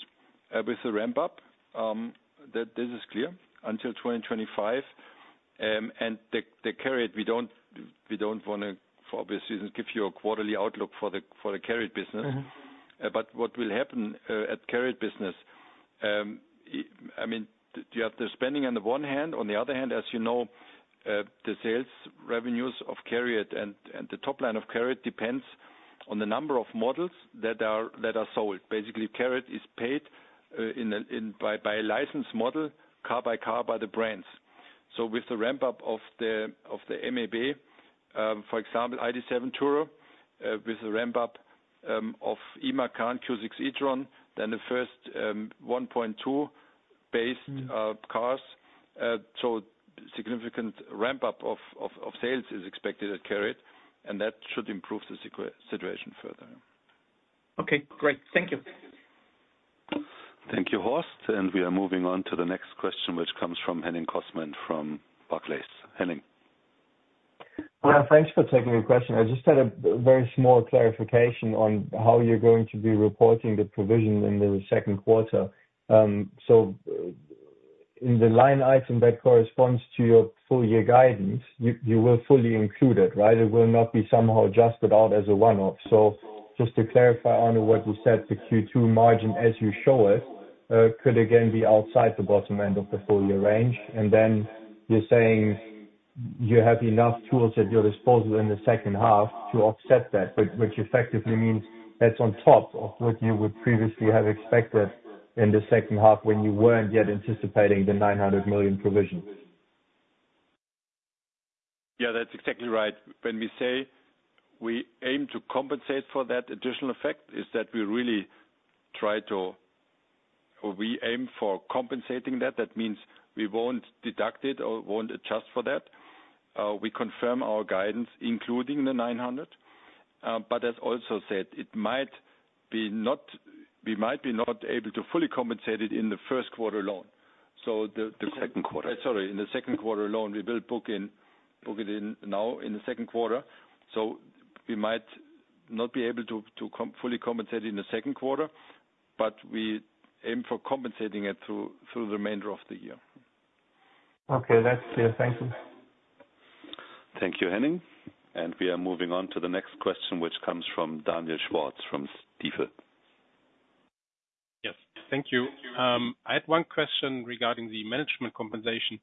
with the ramp-up. This is clear until 2025. The CARIAD, we don't want to, for obvious reasons, give you a quarterly outlook for the CARIAD business. But what will happen at CARIAD business? I mean, you have the spending on the one hand. On the other hand, as you know, the sales revenues of CARIAD and the top line of CARIAD depends on the number of models that are sold. Basically, CARIAD is paid by a licensed model, car by car by the brands. So with the ramp-up of the MAB, for example, ID.7 Tourer, with the ramp-up of Macan Q6 e-tron, then the first 1.2-based cars, so significant ramp-up of sales is expected at CARIAD. And that should improve the situation further. Okay. Great. Thank you. Thank you, Horst. We are moving on to the next question, which comes from Henning Cosman from Barclays. Henning. Thanks for taking your question. I just had a very small clarification on how you're going to be reporting the provision in the Q2. So in the line item that corresponds to your full year guidance, you will fully include it, right? It will not be somehow adjusted out as a one-off. So just to clarify, Arno, what you said, the Q2 margin, as you show it, could again be outside the bottom end of the full year range? And then you're saying you have enough tools at your disposal in the second half to offset that, which effectively means that's on top of what you would previously have expected in the second half when you weren't yet anticipating the 900 million provision. That's exactly right. When we say we aim to compensate for that additional effect, is that we really try to or we aim for compensating that. That means we won't deduct it or won't adjust for that. We confirm our guidance, including the 900 million. But as also said, it might be not we might be not able to fully compensate it in the Q1 alone. So the Q2. Sorry. In the Q2 alone. We will book it in now in the Q2. So we might not be able to fully compensate it in the Q2, but we aim for compensating it through the remainder of the year. Okay. That's clear. Thank you. Thank you, Henning. And we are moving on to the next question, which comes from Daniel Schwarz from Stifel. Yes. Thank you. I had one question regarding the management compensation.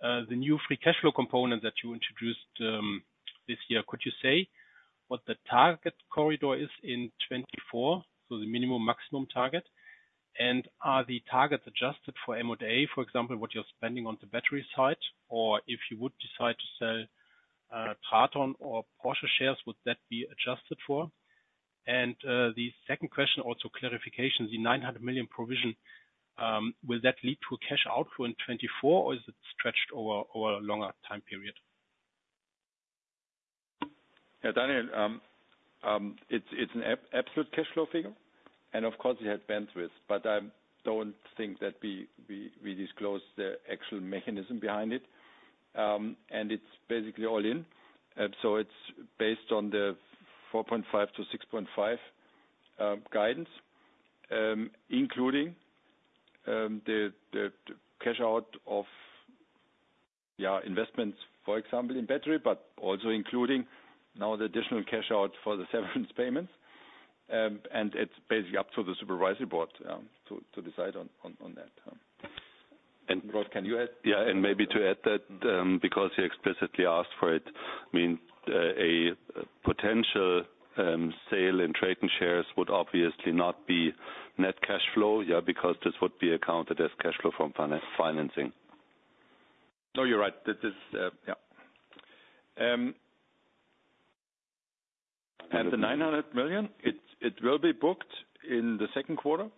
The new free cash flow component that you introduced this year, could you say what the target corridor is in 2024, so the minimum-maximum target? And are the targets adjusted for M&A, for example, what you're spending on the battery side? Or if you would decide to sell Traton or Porsche shares, would that be adjusted for? And the second question, also clarification, the 900 million provision, will that lead to a cash outflow in 2024, or is it stretched over a longer time period? Daniel, it's an absolute cash flow figure. Of course, it had bandwidth. But I don't think that we disclosed the actual mechanism behind it. It's basically all in. So it's based on the 4.5-6.5 guidance, including the cash out of investments, for example, in battery, but also including now the additional cash out for the severance payments. It's basically up to the supervisory board to decide on that. Rolf, can you add? Maybe to add that, because you explicitly asked for it, I mean, a potential sale of TRATON shares would obviously not be net cash flow because this would be accounted as cash flow from financing. No, you're right. The 900 million, it will be booked in the Q2.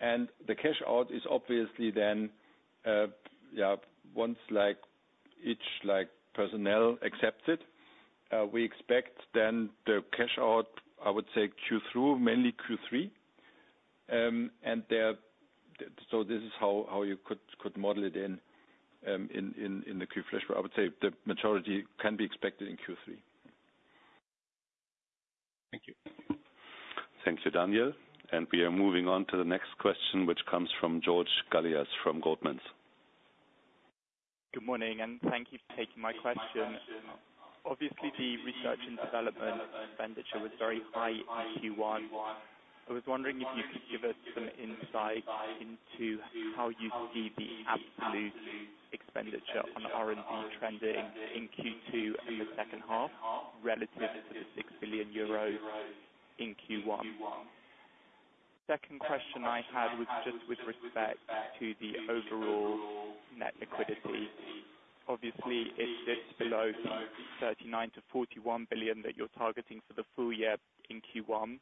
The cash out is obviously then once each personnel accepts it, we expect then the cash out, I would say, Q3, mainly Q3. And so this is how you could model it in the cash flow. I would say the majority can be expected in Q3. Thank you. Thank you, Daniel. And we are moving on to the next question, which comes from George Galliers from Goldman Sachs. Good morning. And thank you for taking my question. Obviously, the research and development expenditure was very high in Q1. I was wondering if you could give us some insight into how you see the absolute expenditure on R&D trending in Q2 and the second half relative to the 6 billion euros in Q1. Second question I had was just with respect to the overall net liquidity. Obviously, it sits below 39 billion-41 billion that you're targeting for the full year in Q1.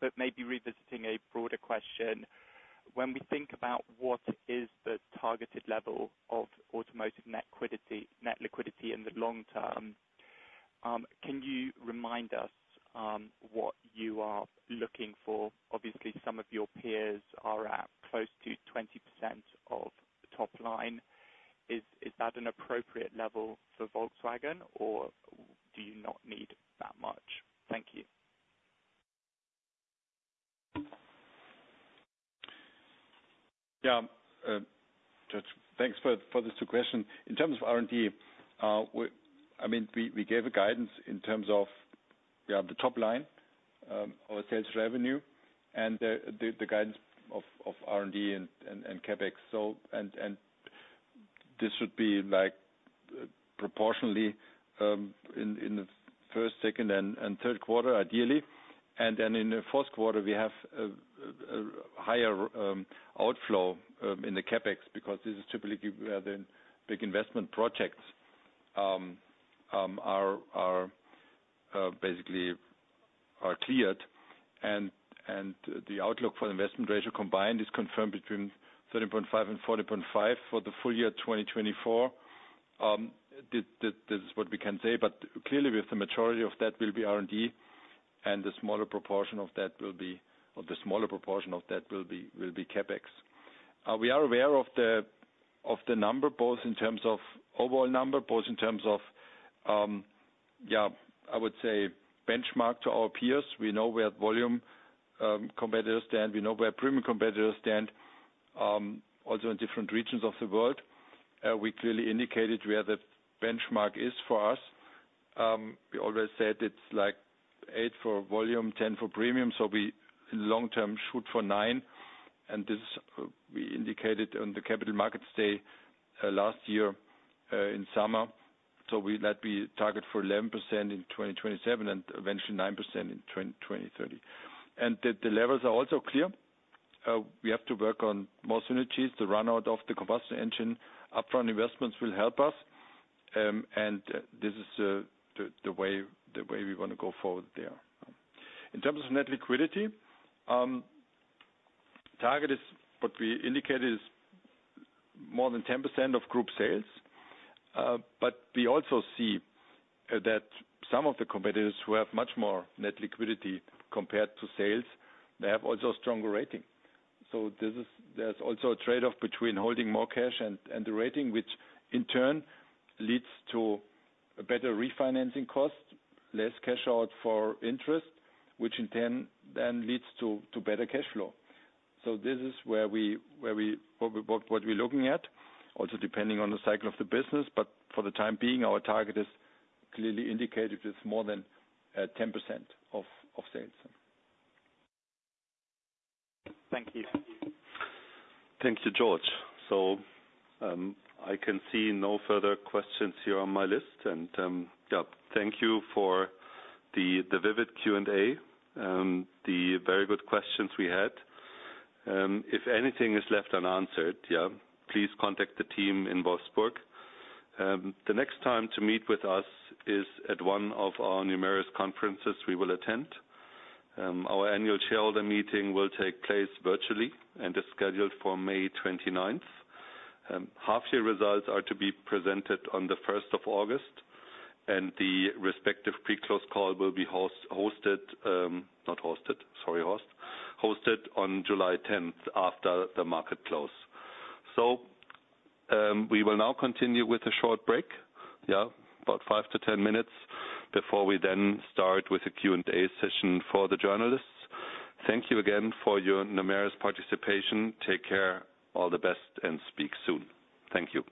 But maybe revisiting a broader question, when we think about what is the targeted level of automotive net liquidity in the long term, can you remind us what you are looking for? Obviously, some of your peers are at close to 20% of top line. Is that an appropriate level for Volkswagen, or do you not need that much? Thank you. Thanks for these two questions. In terms of R&D, I mean, we gave a guidance in terms of the top line, our sales revenue, and the guidance of R&D and CapEx. This should be proportionally in the Q1, Q2, and Q3, ideally. Then in the Q4, we have a higher outflow in the CapEx because this is typically where the big investment projects basically are cleared. The outlook for investment ratio combined is confirmed between 13.5%-40.5% for the full year 2024. This is what we can say. But clearly, with the majority of that will be R&D, and the smaller proportion of that will be CapEx. We are aware of the number, both in terms of overall number, both in terms of I would say, benchmark to our peers. We know where volume competitors stand. We know where premium competitors stand, also in different regions of the world. We clearly indicated where the benchmark is for us. We always said it's like 8% for volume, 10% for premium. So we, in the long term, shoot for 9%. And this we indicated on the capital markets day last year in summer. So we let be target for 11% in 2027 and eventually 9% in 2030. And the levels are also clear. We have to work on more synergies. The runout of the combustion engine upfront investments will help us. And this is the way we want to go forward there. In terms of net liquidity, target is what we indicated is more than 10% of group sales. But we also see that some of the competitors who have much more net liquidity compared to sales, they have also a stronger rating. So there's also a trade-off between holding more cash and the rating, which in turn leads to a better refinancing cost, less cash out for interest, which in turn then leads to better cash flow. So this is where we're looking at, also depending on the cycle of the business. But for the time being, our target is clearly indicated as more than 10% of sales. Thank you. Thank you, George. So I can see no further questions here on my list. And thank you for the vivid Q&A, the very good questions we had. If anything is left unanswered, please contact the team in Wolfsburg. The next time to meet with us is at one of our numerous conferences we will attend. Our annual shareholder meeting will take place virtually and is scheduled for May 29th. Half-year results are to be presented on the 1st of August. And the respective pre-close call will be hosted. Sorry, Horst. Hosted on July 10th after the market close. So we will now continue with a short break, about 5 to 10 minutes, before we then start with a Q&A session for the journalists. Thank you again for your numerous participation. Take care. All the best. And speak soon. Thank you.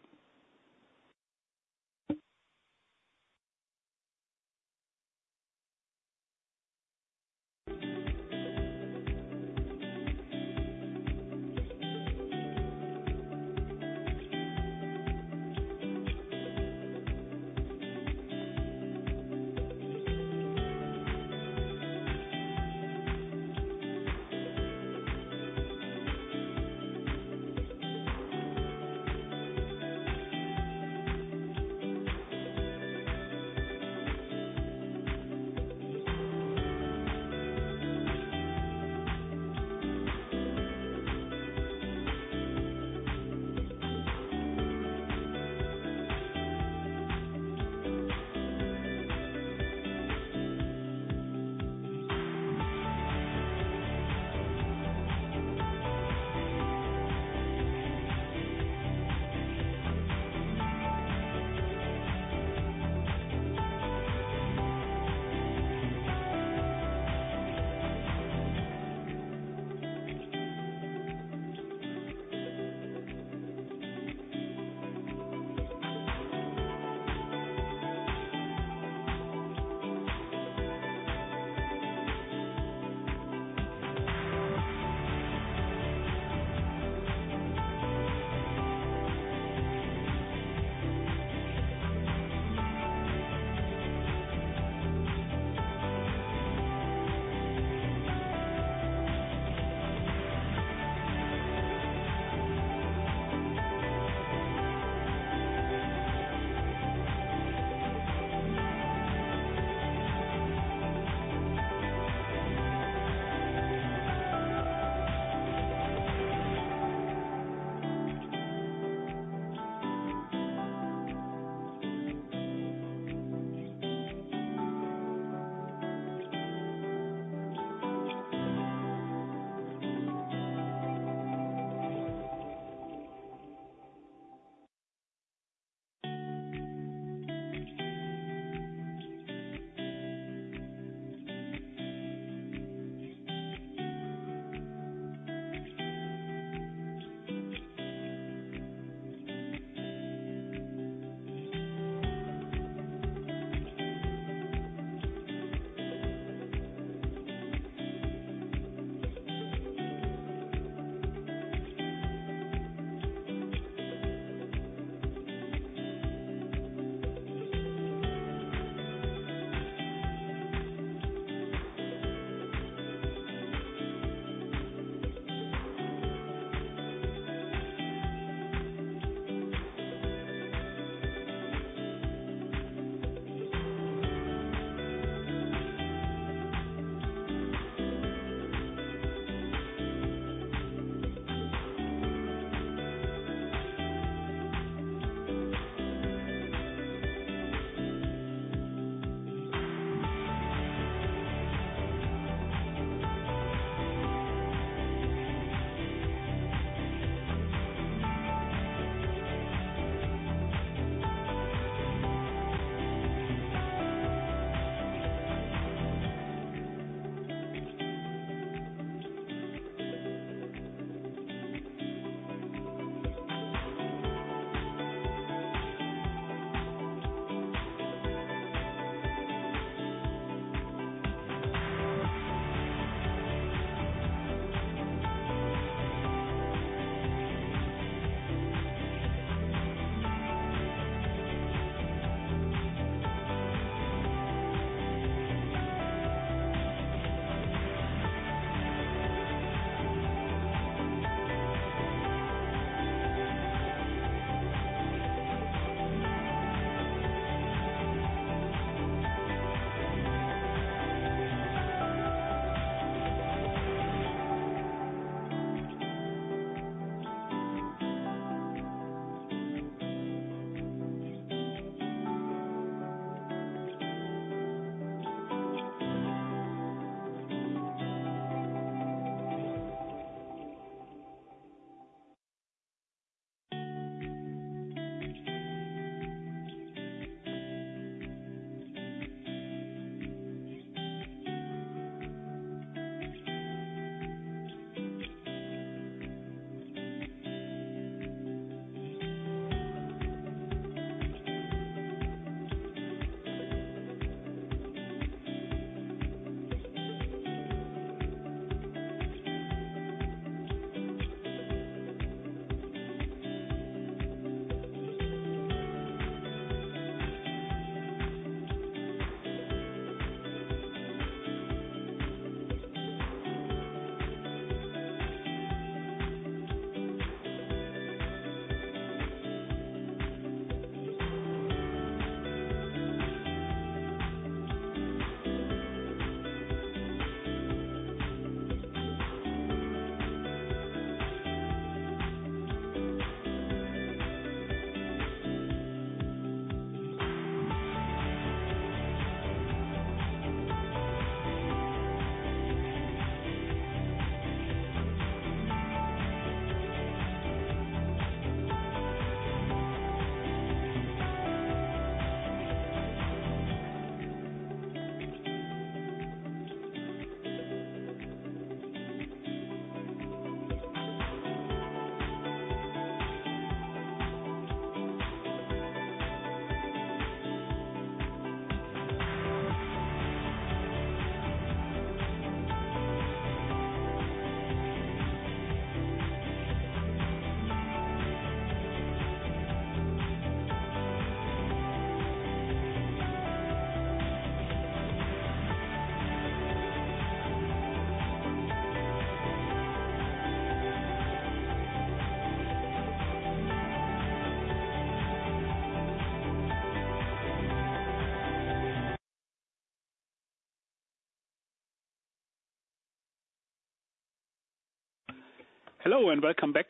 Hello and welcome back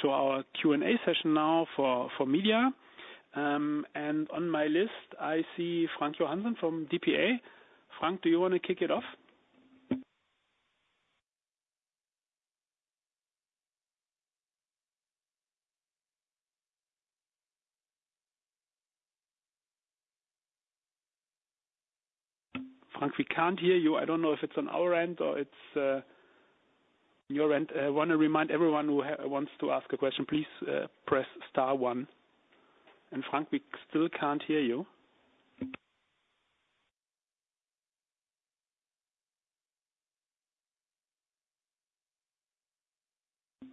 to our Q&A session now for media. On my list, I see Frank Johannsen from DPA. Frank, do you want to kick it off? Frank, we can't hear you. I don't know if it's on our end or it's your end. I want to remind everyone who wants to ask a question, please press star one. Frank, we still can't hear you.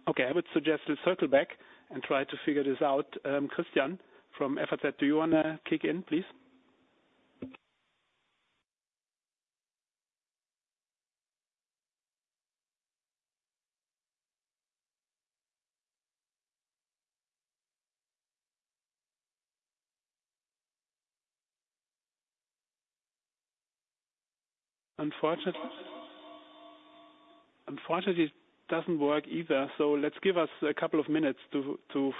Okay. I would suggest we circle back and try to figure this out. Christian from FZ, do you want to kick in, please? Unfortunately, it doesn't work either. So let's give us a couple of minutes to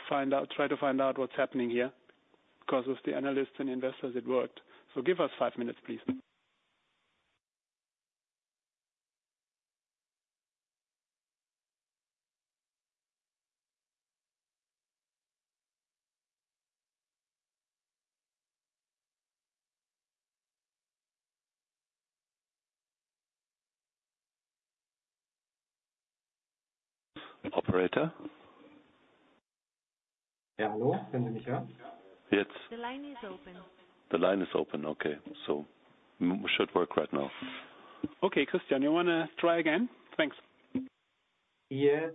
try to find out what's happening here because with the analysts and investors, it worked. So give us five minutes, please. Operator? Ja, hallo. Können Sie mich hören? Jetzt. The line is open. The line is open. Okay. So it should work right now. Okay. Christian, you want to try again? Thanks. Yes.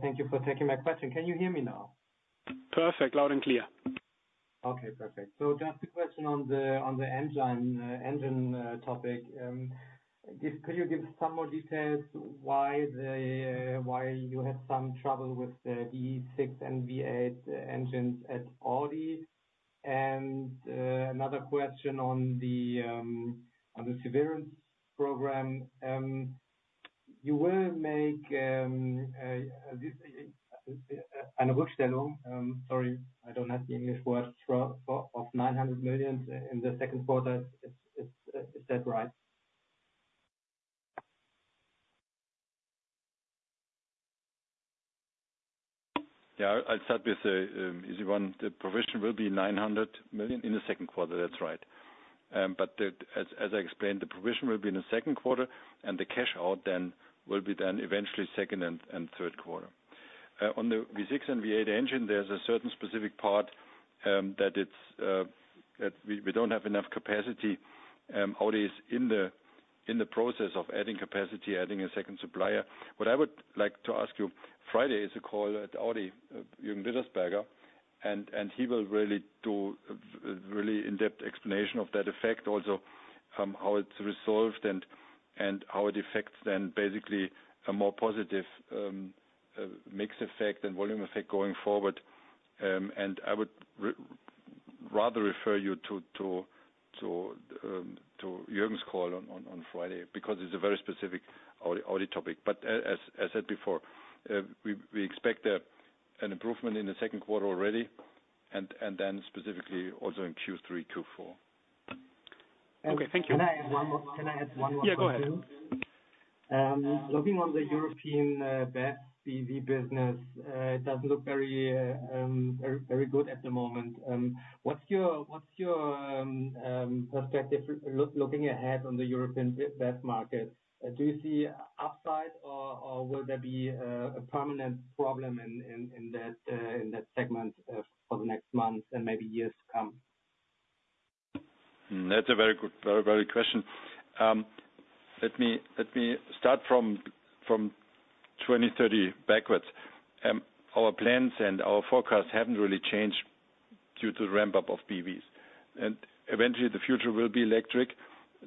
Thank you for taking my question. Can you hear me now? Perfect. Loud and clear. Okay. Perfect. So just a question on the engine topic. Could you give some more details why you had some trouble with the V6 and V8 engines at Audi? And another question on the surveillance program. You will make an Rückstellung. Sorry. I don't have the English word. Of 900 million in the Q2. Is that right? I'll start with the easy one. The provision will be 900 million in the Q2. That's right. But as I explained, the provision will be in the Q2, and the cash out then will be then eventually Q2 and Q3. On the V6 and V8 engine, there's a certain specific part that we don't have enough capacity. Audi is in the process of adding capacity, adding a second supplier. What I would like to ask you, Friday is a call at Audi, Jürgen Rittersberger, and he will really do a really in-depth explanation of that effect, also how it's resolved and how it affects then basically a more positive mix effect and volume effect going forward. And I would rather refer you to Jürgen's call on Friday because it's a very specific Audi topic. But as said before, we expect an improvement in the Q2 already and then specifically also in Q3, Q4. Okay. Thank you. Can I add one more? Can I add one more question? Go ahead. Looking on the European BEV business, it doesn't look very good at the moment. What's your perspective looking ahead on the European BEV market? Do you see upside, or will there be a permanent problem in that segment for the next months and maybe years to come? That's a very good question. Let me start from 2030 backwards. Our plans and our forecasts haven't really changed due to the ramp-up of BEVs. And eventually, the future will be electric.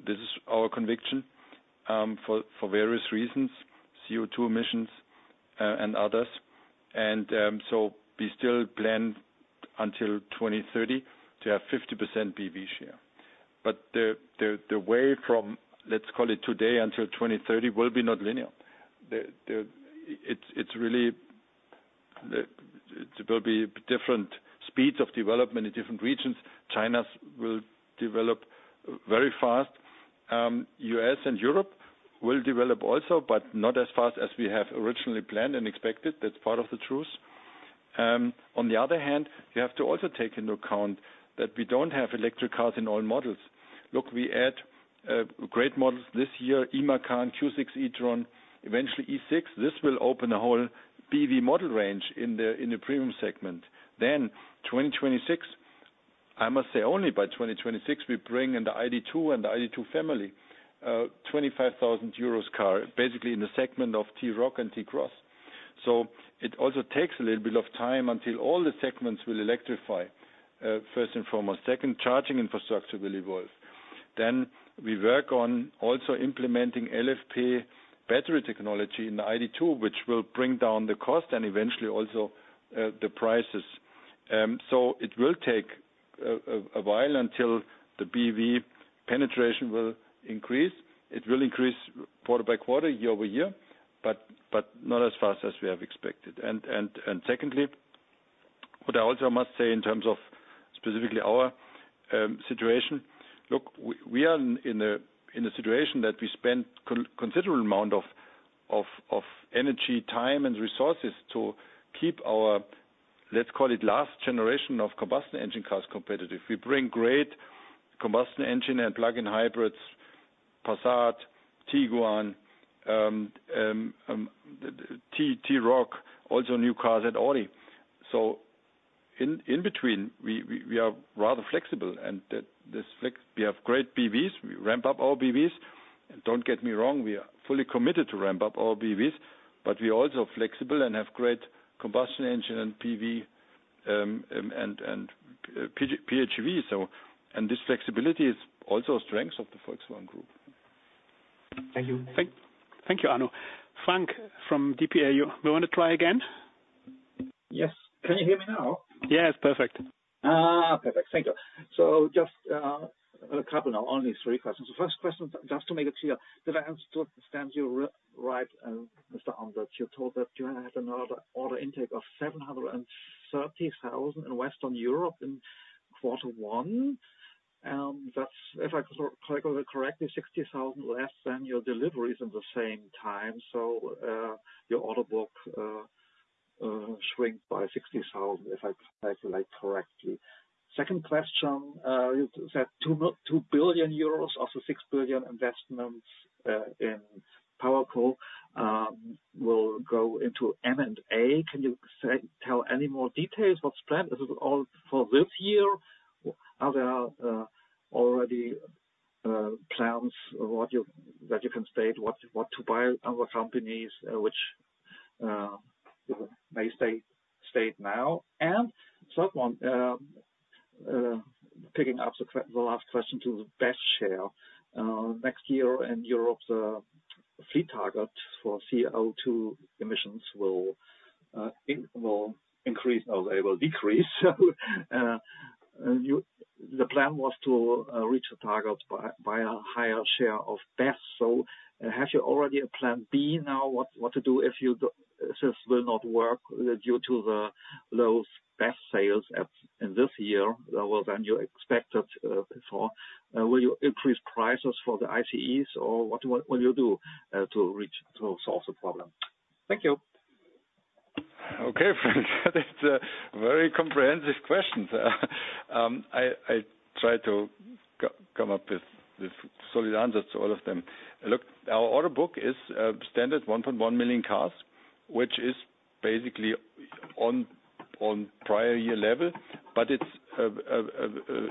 This is our conviction for various reasons, CO2 emissions and others. And so we still plan until 2030 to have 50% BEV share. But the way from, let's call it, today until 2030 will be not linear. It will be different speeds of development in different regions. China will develop very fast. U.S. and Europe will develop also, but not as fast as we have originally planned and expected. That's part of the truth. On the other hand, you have to also take into account that we don't have electric cars in all models. Look, we add great models this year, E-Macan, Q6 e-tron, eventually E6. This will open a whole BEV model range in the premium segment. Then 2026, I must say only by 2026, we bring in the ID.2 and the ID.2 family, a 25,000 euros car basically in the segment of T-Roc and T-Cross. So it also takes a little bit of time until all the segments will electrify, first and foremost. Second, charging infrastructure will evolve. Then we work on also implementing LFP battery technology in the ID.2, which will bring down the cost and eventually also the prices. So it will take a while until the BEV penetration will increase. It will increase quarter by quarter, year-over-year, but not as fast as we have expected. And secondly, what I also must say in terms of specifically our situation, look, we are in a situation that we spend a considerable amount of energy, time, and resources to keep our, let's call it, last generation of combustion engine cars competitive. We bring great combustion engine and plug-in hybrids, Passat, Tiguan, T-Roc, also new cars at Audi. So in between, we are rather flexible. And we have great BEVs. We ramp up our BEVs. Don't get me wrong. We are fully committed to ramp up our BEVs. But we are also flexible and have great combustion engine and PHEV. And this flexibility is also a strength of the Volkswagen Group. Thank you. Thank you, Arno. Frank from DPA, you want to try again? Yes. Can you hear me now? Yes. Perfect. Perfect. Thank you. So just a couple now, only three questions. The first question, just to make it clear, did I understand you right, Mr. Antlitz? You told that you had an order intake of 730,000 in Western Europe in quarter one. If I calculate correctly, 60,000 less than your deliveries in the same time. So your order book shrinks by 60,000 if I calculate correctly. Second question, you said 2 billion euros of the 6 billion investments in PowerCo will go into M&A. Can you tell any more details? What's planned? Is it all for this year? Are there already plans that you can state what to buy other companies, which may stay stayed now? And third one, picking up the last question to the best share. Next year in Europe, the fleet target for CO2 emissions will increase or they will decrease. The plan was to reach the target by a higher share of BEVs. So have you already a plan B now? What to do if this will not work due to the low BEV sales in this year than you expected before? Will you increase prices for the ICEs, or what will you do to solve the problem? Thank you. Okay, Frank. That's a very comprehensive question. I tried to come up with solid answers to all of them. Look, our order book is standard 1.1 million cars, which is basically on prior year level, but it's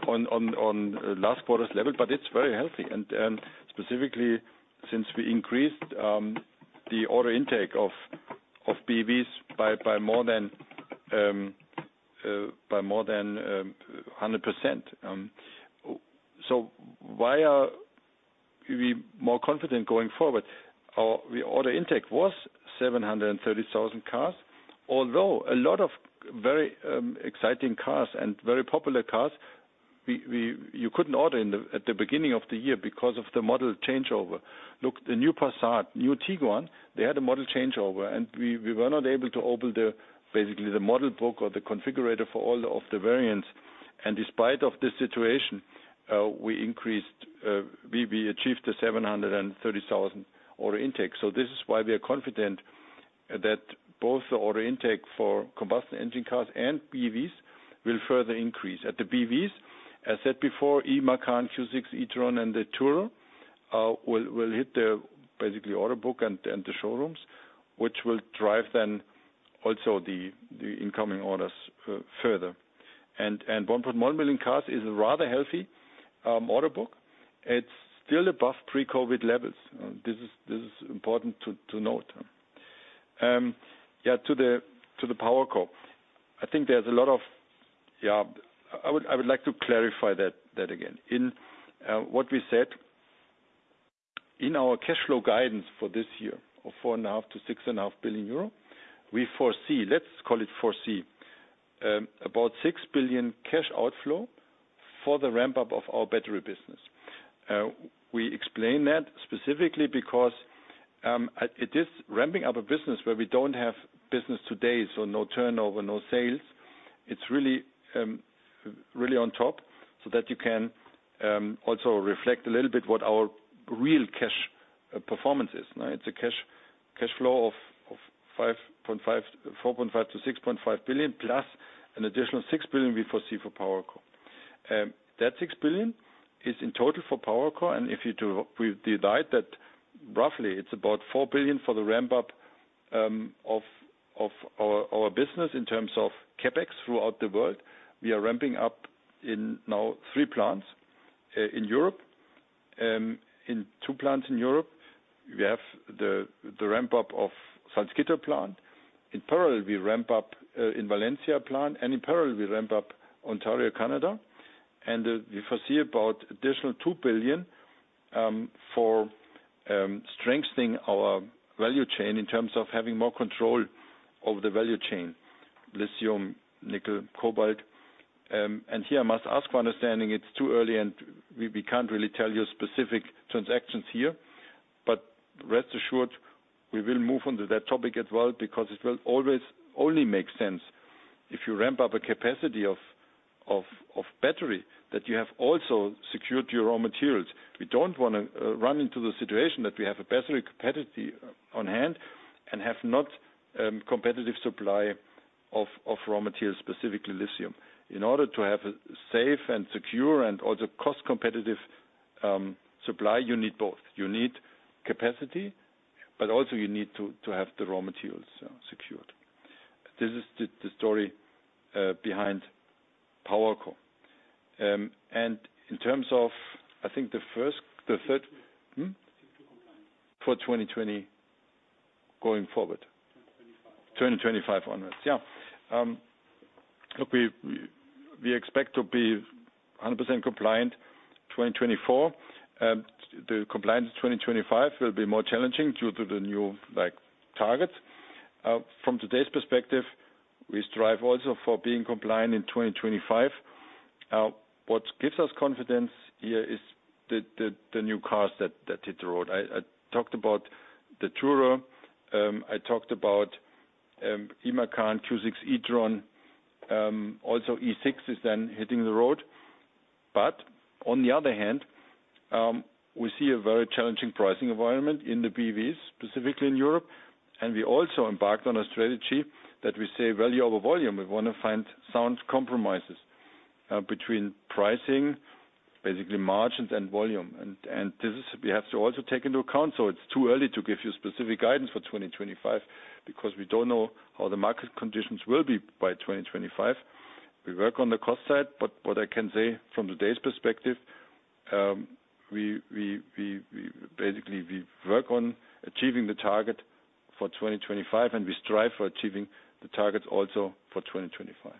on last quarter's level. But it's very healthy. And specifically, since we increased the order intake of BEVs by more than 100%. So why are we more confident going forward? The order intake was 730,000 cars, although a lot of very exciting cars and very popular cars, you couldn't order at the beginning of the year because of the model changeover. Look, the new Passat, new Tiguan, they had a model changeover. We were not able to open basically the model book or the configurator for all of the variants. Despite of this situation, we achieved the 730,000 order intake. So this is why we are confident that both the order intake for combustion engine cars and BEVs will further increase. At the BEVs, as said before, E-Macan, Q6 e-tron, and the Tourer will hit the basically order book and the showrooms, which will drive then also the incoming orders further. 1.1 million cars is a rather healthy order book. It's still above pre-COVID levels. This is important to note to the PowerCo, I think there's a lot. I would like to clarify that again. In what we said, in our cash flow guidance for this year of 4.5 billion-6.5 billion euro, we foresee let's call it foresee about 6 billion cash outflow for the ramp-up of our battery business. We explain that specifically because it is ramping up a business where we don't have business today, so no turnover, no sales. It's really on top so that you can also reflect a little bit what our real cash performance is. It's a cash flow of 4.5 billion-6.5 billion plus an additional 6 billion we foresee for PowerCo. That 6 billion is in total for PowerCo. And if you divide that roughly, it's about 4 billion for the ramp-up of our business in terms of CapEx throughout the world. We are ramping up now 3 plants in Europe. In 2 plants in Europe, we have the ramp-up of Salzgitter plant. In parallel, we ramp up in Valencia plant, and in parallel, we ramp up Ontario, Canada. We foresee about additional 2 billion for strengthening our value chain in terms of having more control over the value chain, lithium, nickel, cobalt. Here, I must ask, for understanding, it's too early, and we can't really tell you specific transactions here. But rest assured, we will move on to that topic as well because it will always only make sense if you ramp up a capacity of battery that you have also secured your raw materials. We don't want to run into the situation that we have a battery capacity on hand and have not competitive supply of raw materials, specifically lithium. In order to have a safe and secure and also cost-competitive supply, you need both. You need capacity, but also you need to have the raw materials secured. This is the story behind PowerCo. In terms of, I think, the third for 2020 going forward. 2025. 2025 onwards. Look, we expect to be 100% compliant 2024. The compliance in 2025 will be more challenging due to the new targets. From today's perspective, we strive also for being compliant in 2025. What gives us confidence here is the new cars that hit the road. I talked about the Tourer. I talked about E-Macan, Q6 e-tron. Also, E6 is then hitting the road. But on the other hand, we see a very challenging pricing environment in the BEVs, specifically in Europe. And we also embarked on a strategy that we say value over volume. We want to find sound compromises between pricing, basically margins, and volume. We have to also take into account so it's too early to give you specific guidance for 2025 because we don't know how the market conditions will be by 2025. We work on the cost side. But what I can say from today's perspective, basically, we work on achieving the target for 2025, and we strive for achieving the targets also for 2025.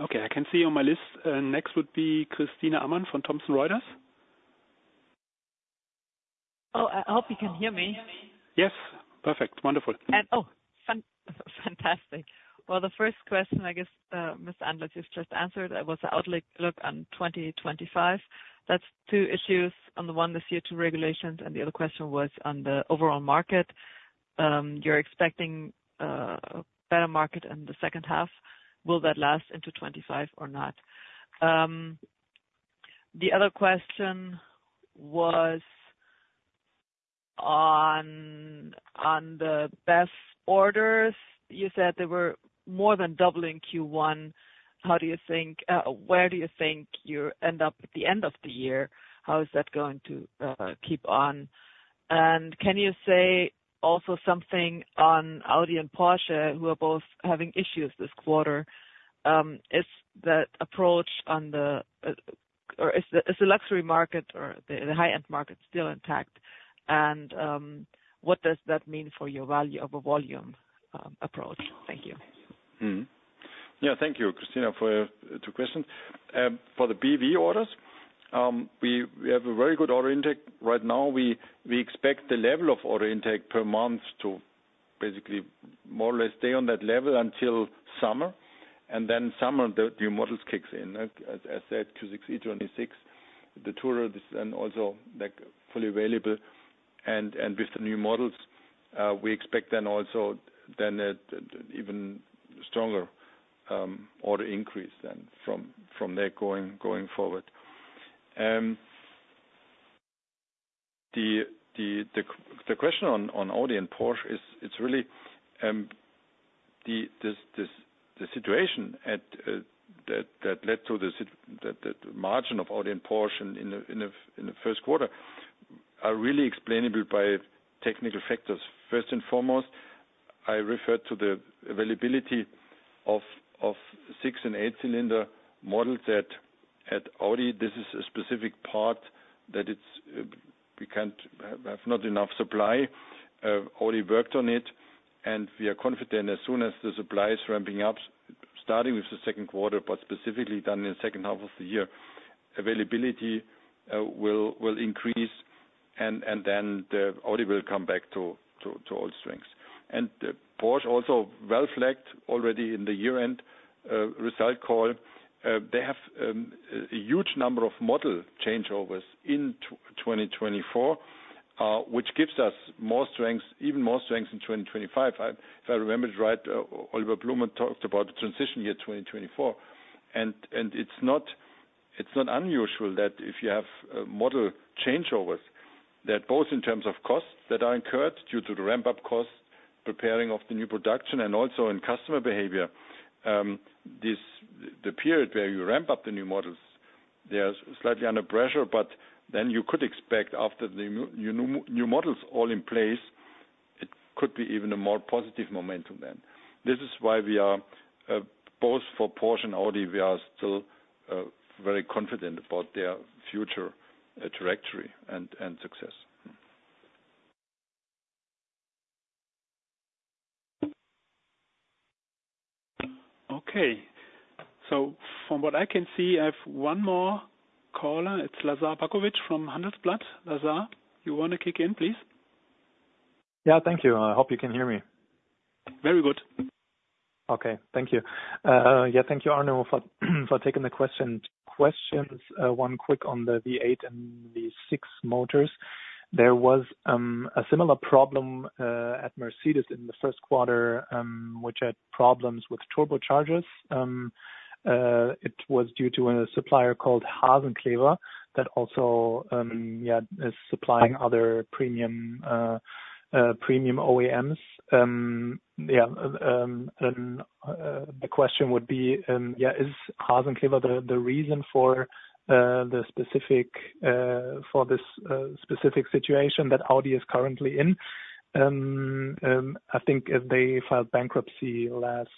Okay. I can see on my list. Next would be Christina Ammann from Thomson Reuters. Oh, I hope you can hear me. Yes. Perfect. Wonderful. Oh, fantastic. Well, the first question, I guess, Mr. Antlitz, you've just answered, was an outlook on 2025. That's two issues. On the one, this year, two regulations. And the other question was on the overall market. You're expecting a better market in the second half. Will that last into 2025 or not? The other question was on the BEVs orders. You said they were more than doubling Q1. How do you think where do you think you end up at the end of the year? How is that going to keep on? And can you say also something on Audi and Porsche, who are both having issues this quarter? Is that approach on the or is the luxury market or the high-end market still intact? And what does that mean for your value over volume approach? Thank you. Thank you, Christina, for your two questions. For the BEV orders, we have a very good order intake. Right now, we expect the level of order intake per month to basically more or less stay on that level until summer. And then summer, the new models kick in. As said, Q6 e-tron, E6, the Tourer is then also fully available. With the new models, we expect then also then an even stronger order increase then from there going forward. The question on Audi and Porsche, it's really the situation that led to the margin of Audi and Porsche in the Q1 are really explainable by technical factors. First and foremost, I referred to the availability of 6- and 8-cylinder models at Audi. This is a specific part that we have not enough supply. Audi worked on it. And we are confident as soon as the supply is ramping up, starting with the Q2, but specifically done in the second half of the year, availability will increase. And then Audi will come back to all strengths. And Porsche also, well-flagged already in the year-end result call. They have a huge number of model changeovers in 2024, which gives us even more strengths in 2025. If I remember it right, Oliver Blume talked about the transition year 2024. It's not unusual that if you have model changeovers, that both in terms of costs that are incurred due to the ramp-up costs, preparing of the new production, and also in customer behavior, the period where you ramp up the new models, they are slightly under pressure. Then you could expect after the new models all in place, it could be even a more positive momentum then. This is why we are both for Porsche and Audi, we are still very confident about their future trajectory and success. Okay. From what I can see, I have one more caller. It's Lazar Baković from Handelsblatt. Lazar, you want to kick in, please? Thank you. I hope you can hear me. Very good. Thank you. Thank you, Arno, for taking the question. Questions one quick on the V8 and V6 motors. There was a similar problem at Mercedes in the Q1, which had problems with turbochargers. It was due to a supplier called Hasenclever that also is supplying other premium OEMs. And the question would be is Hasenclever the reason for this specific situation that Audi is currently in? I think they filed bankruptcy last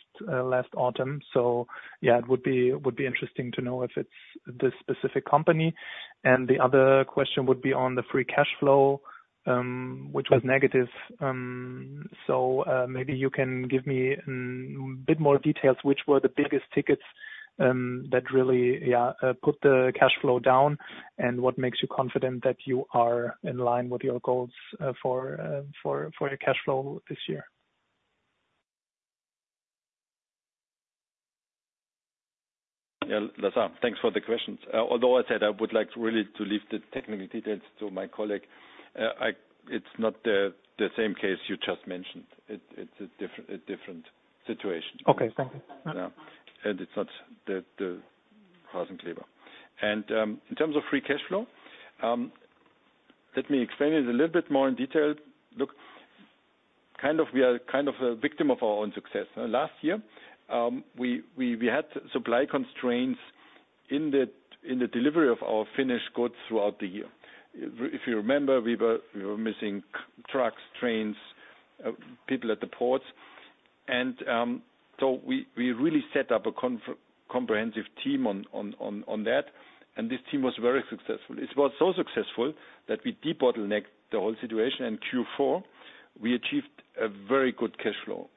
autumn. It would be interesting to know if it's this specific company. And the other question would be on the free cash flow, which was negative. So maybe you can give me a bit more details, which were the biggest tickets that really put the cash flow down and what makes you confident that you are in line with your goals for your cash flow this year? Lazar, thanks for the questions. Although, as said, I would like really to leave the technical details to my colleague. It's not the same case you just mentioned. It's a different situation. Okay. Thank you. It's not the Hasenclever. In terms of free cash flow, let me explain it a little bit more in detail. Look, we are a victim of our own success. Last year, we had supply constraints in the delivery of our finished goods throughout the year. If you remember, we were missing trucks, trains, people at the ports. And so we really set up a comprehensive team on that. And this team was very successful. It was so successful that we debottlenecked the whole situation. Q4, we achieved a very good cash flow.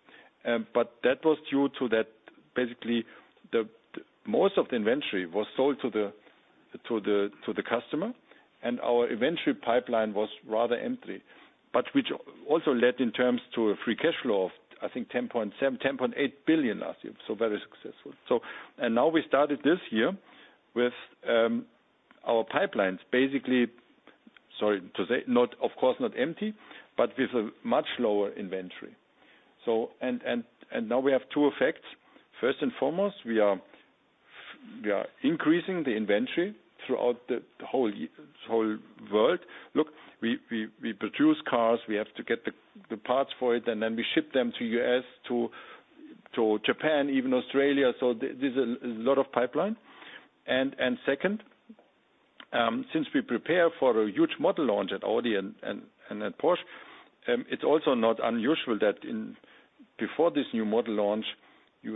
But that was due to that basically, most of the inventory was sold to the customer. Our inventory pipeline was rather empty, but which also led in terms to a free cash flow of, I think, 10.8 billion last year. So very successful. And now we started this year with our pipelines basically sorry, of course, not empty, but with a much lower inventory. And now we have two effects. First and foremost, we are increasing the inventory throughout the whole world. Look, we produce cars. We have to get the parts for it. And then we ship them to U.S., to Japan, even Australia. So there's a lot of pipeline. And second, since we prepare for a huge model launch at Audi and at Porsche, it's also not unusual that before this new model launch, you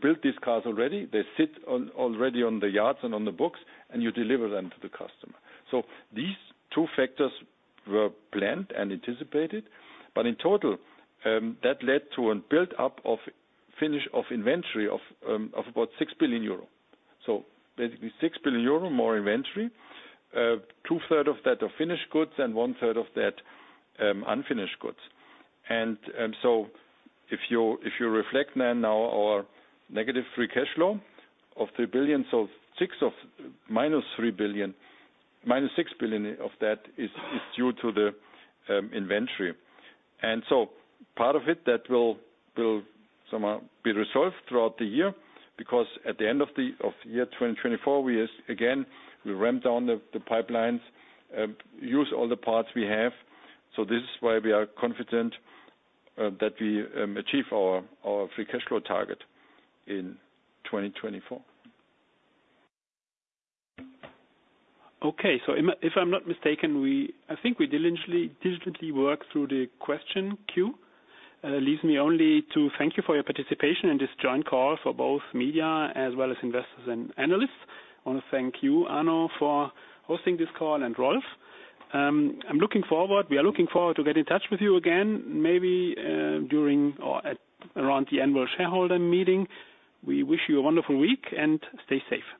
build these cars already. They sit already on the yards and on the books, and you deliver them to the customer. So these two factors were planned and anticipated. But in total, that led to a buildup of finished inventory of about 6 billion euro. So basically, 6 billion euro more inventory, two-thirds of that are finished goods and one-third of that unfinished goods. And so if you reflect then now our negative free cash flow of 3 billion, so minus 3 billion minus 6 billion of that is due to the inventory. And so part of it that will somehow be resolved throughout the year because at the end of the year 2024, again, we'll ramp down the pipelines, use all the parts we have. So this is why we are confident that we achieve our free cash flow target in 2024. Okay. So if I'm not mistaken, I think we diligently worked through the question queue, leaves me only to thank you for your participation in this joint call for both media as well as investors and analysts. I want to thank you, Arno, for hosting this call, and Rolf. We are looking forward to get in touch with you again maybe during or around the annual shareholder meeting. We wish you a wonderful week. Stay safe.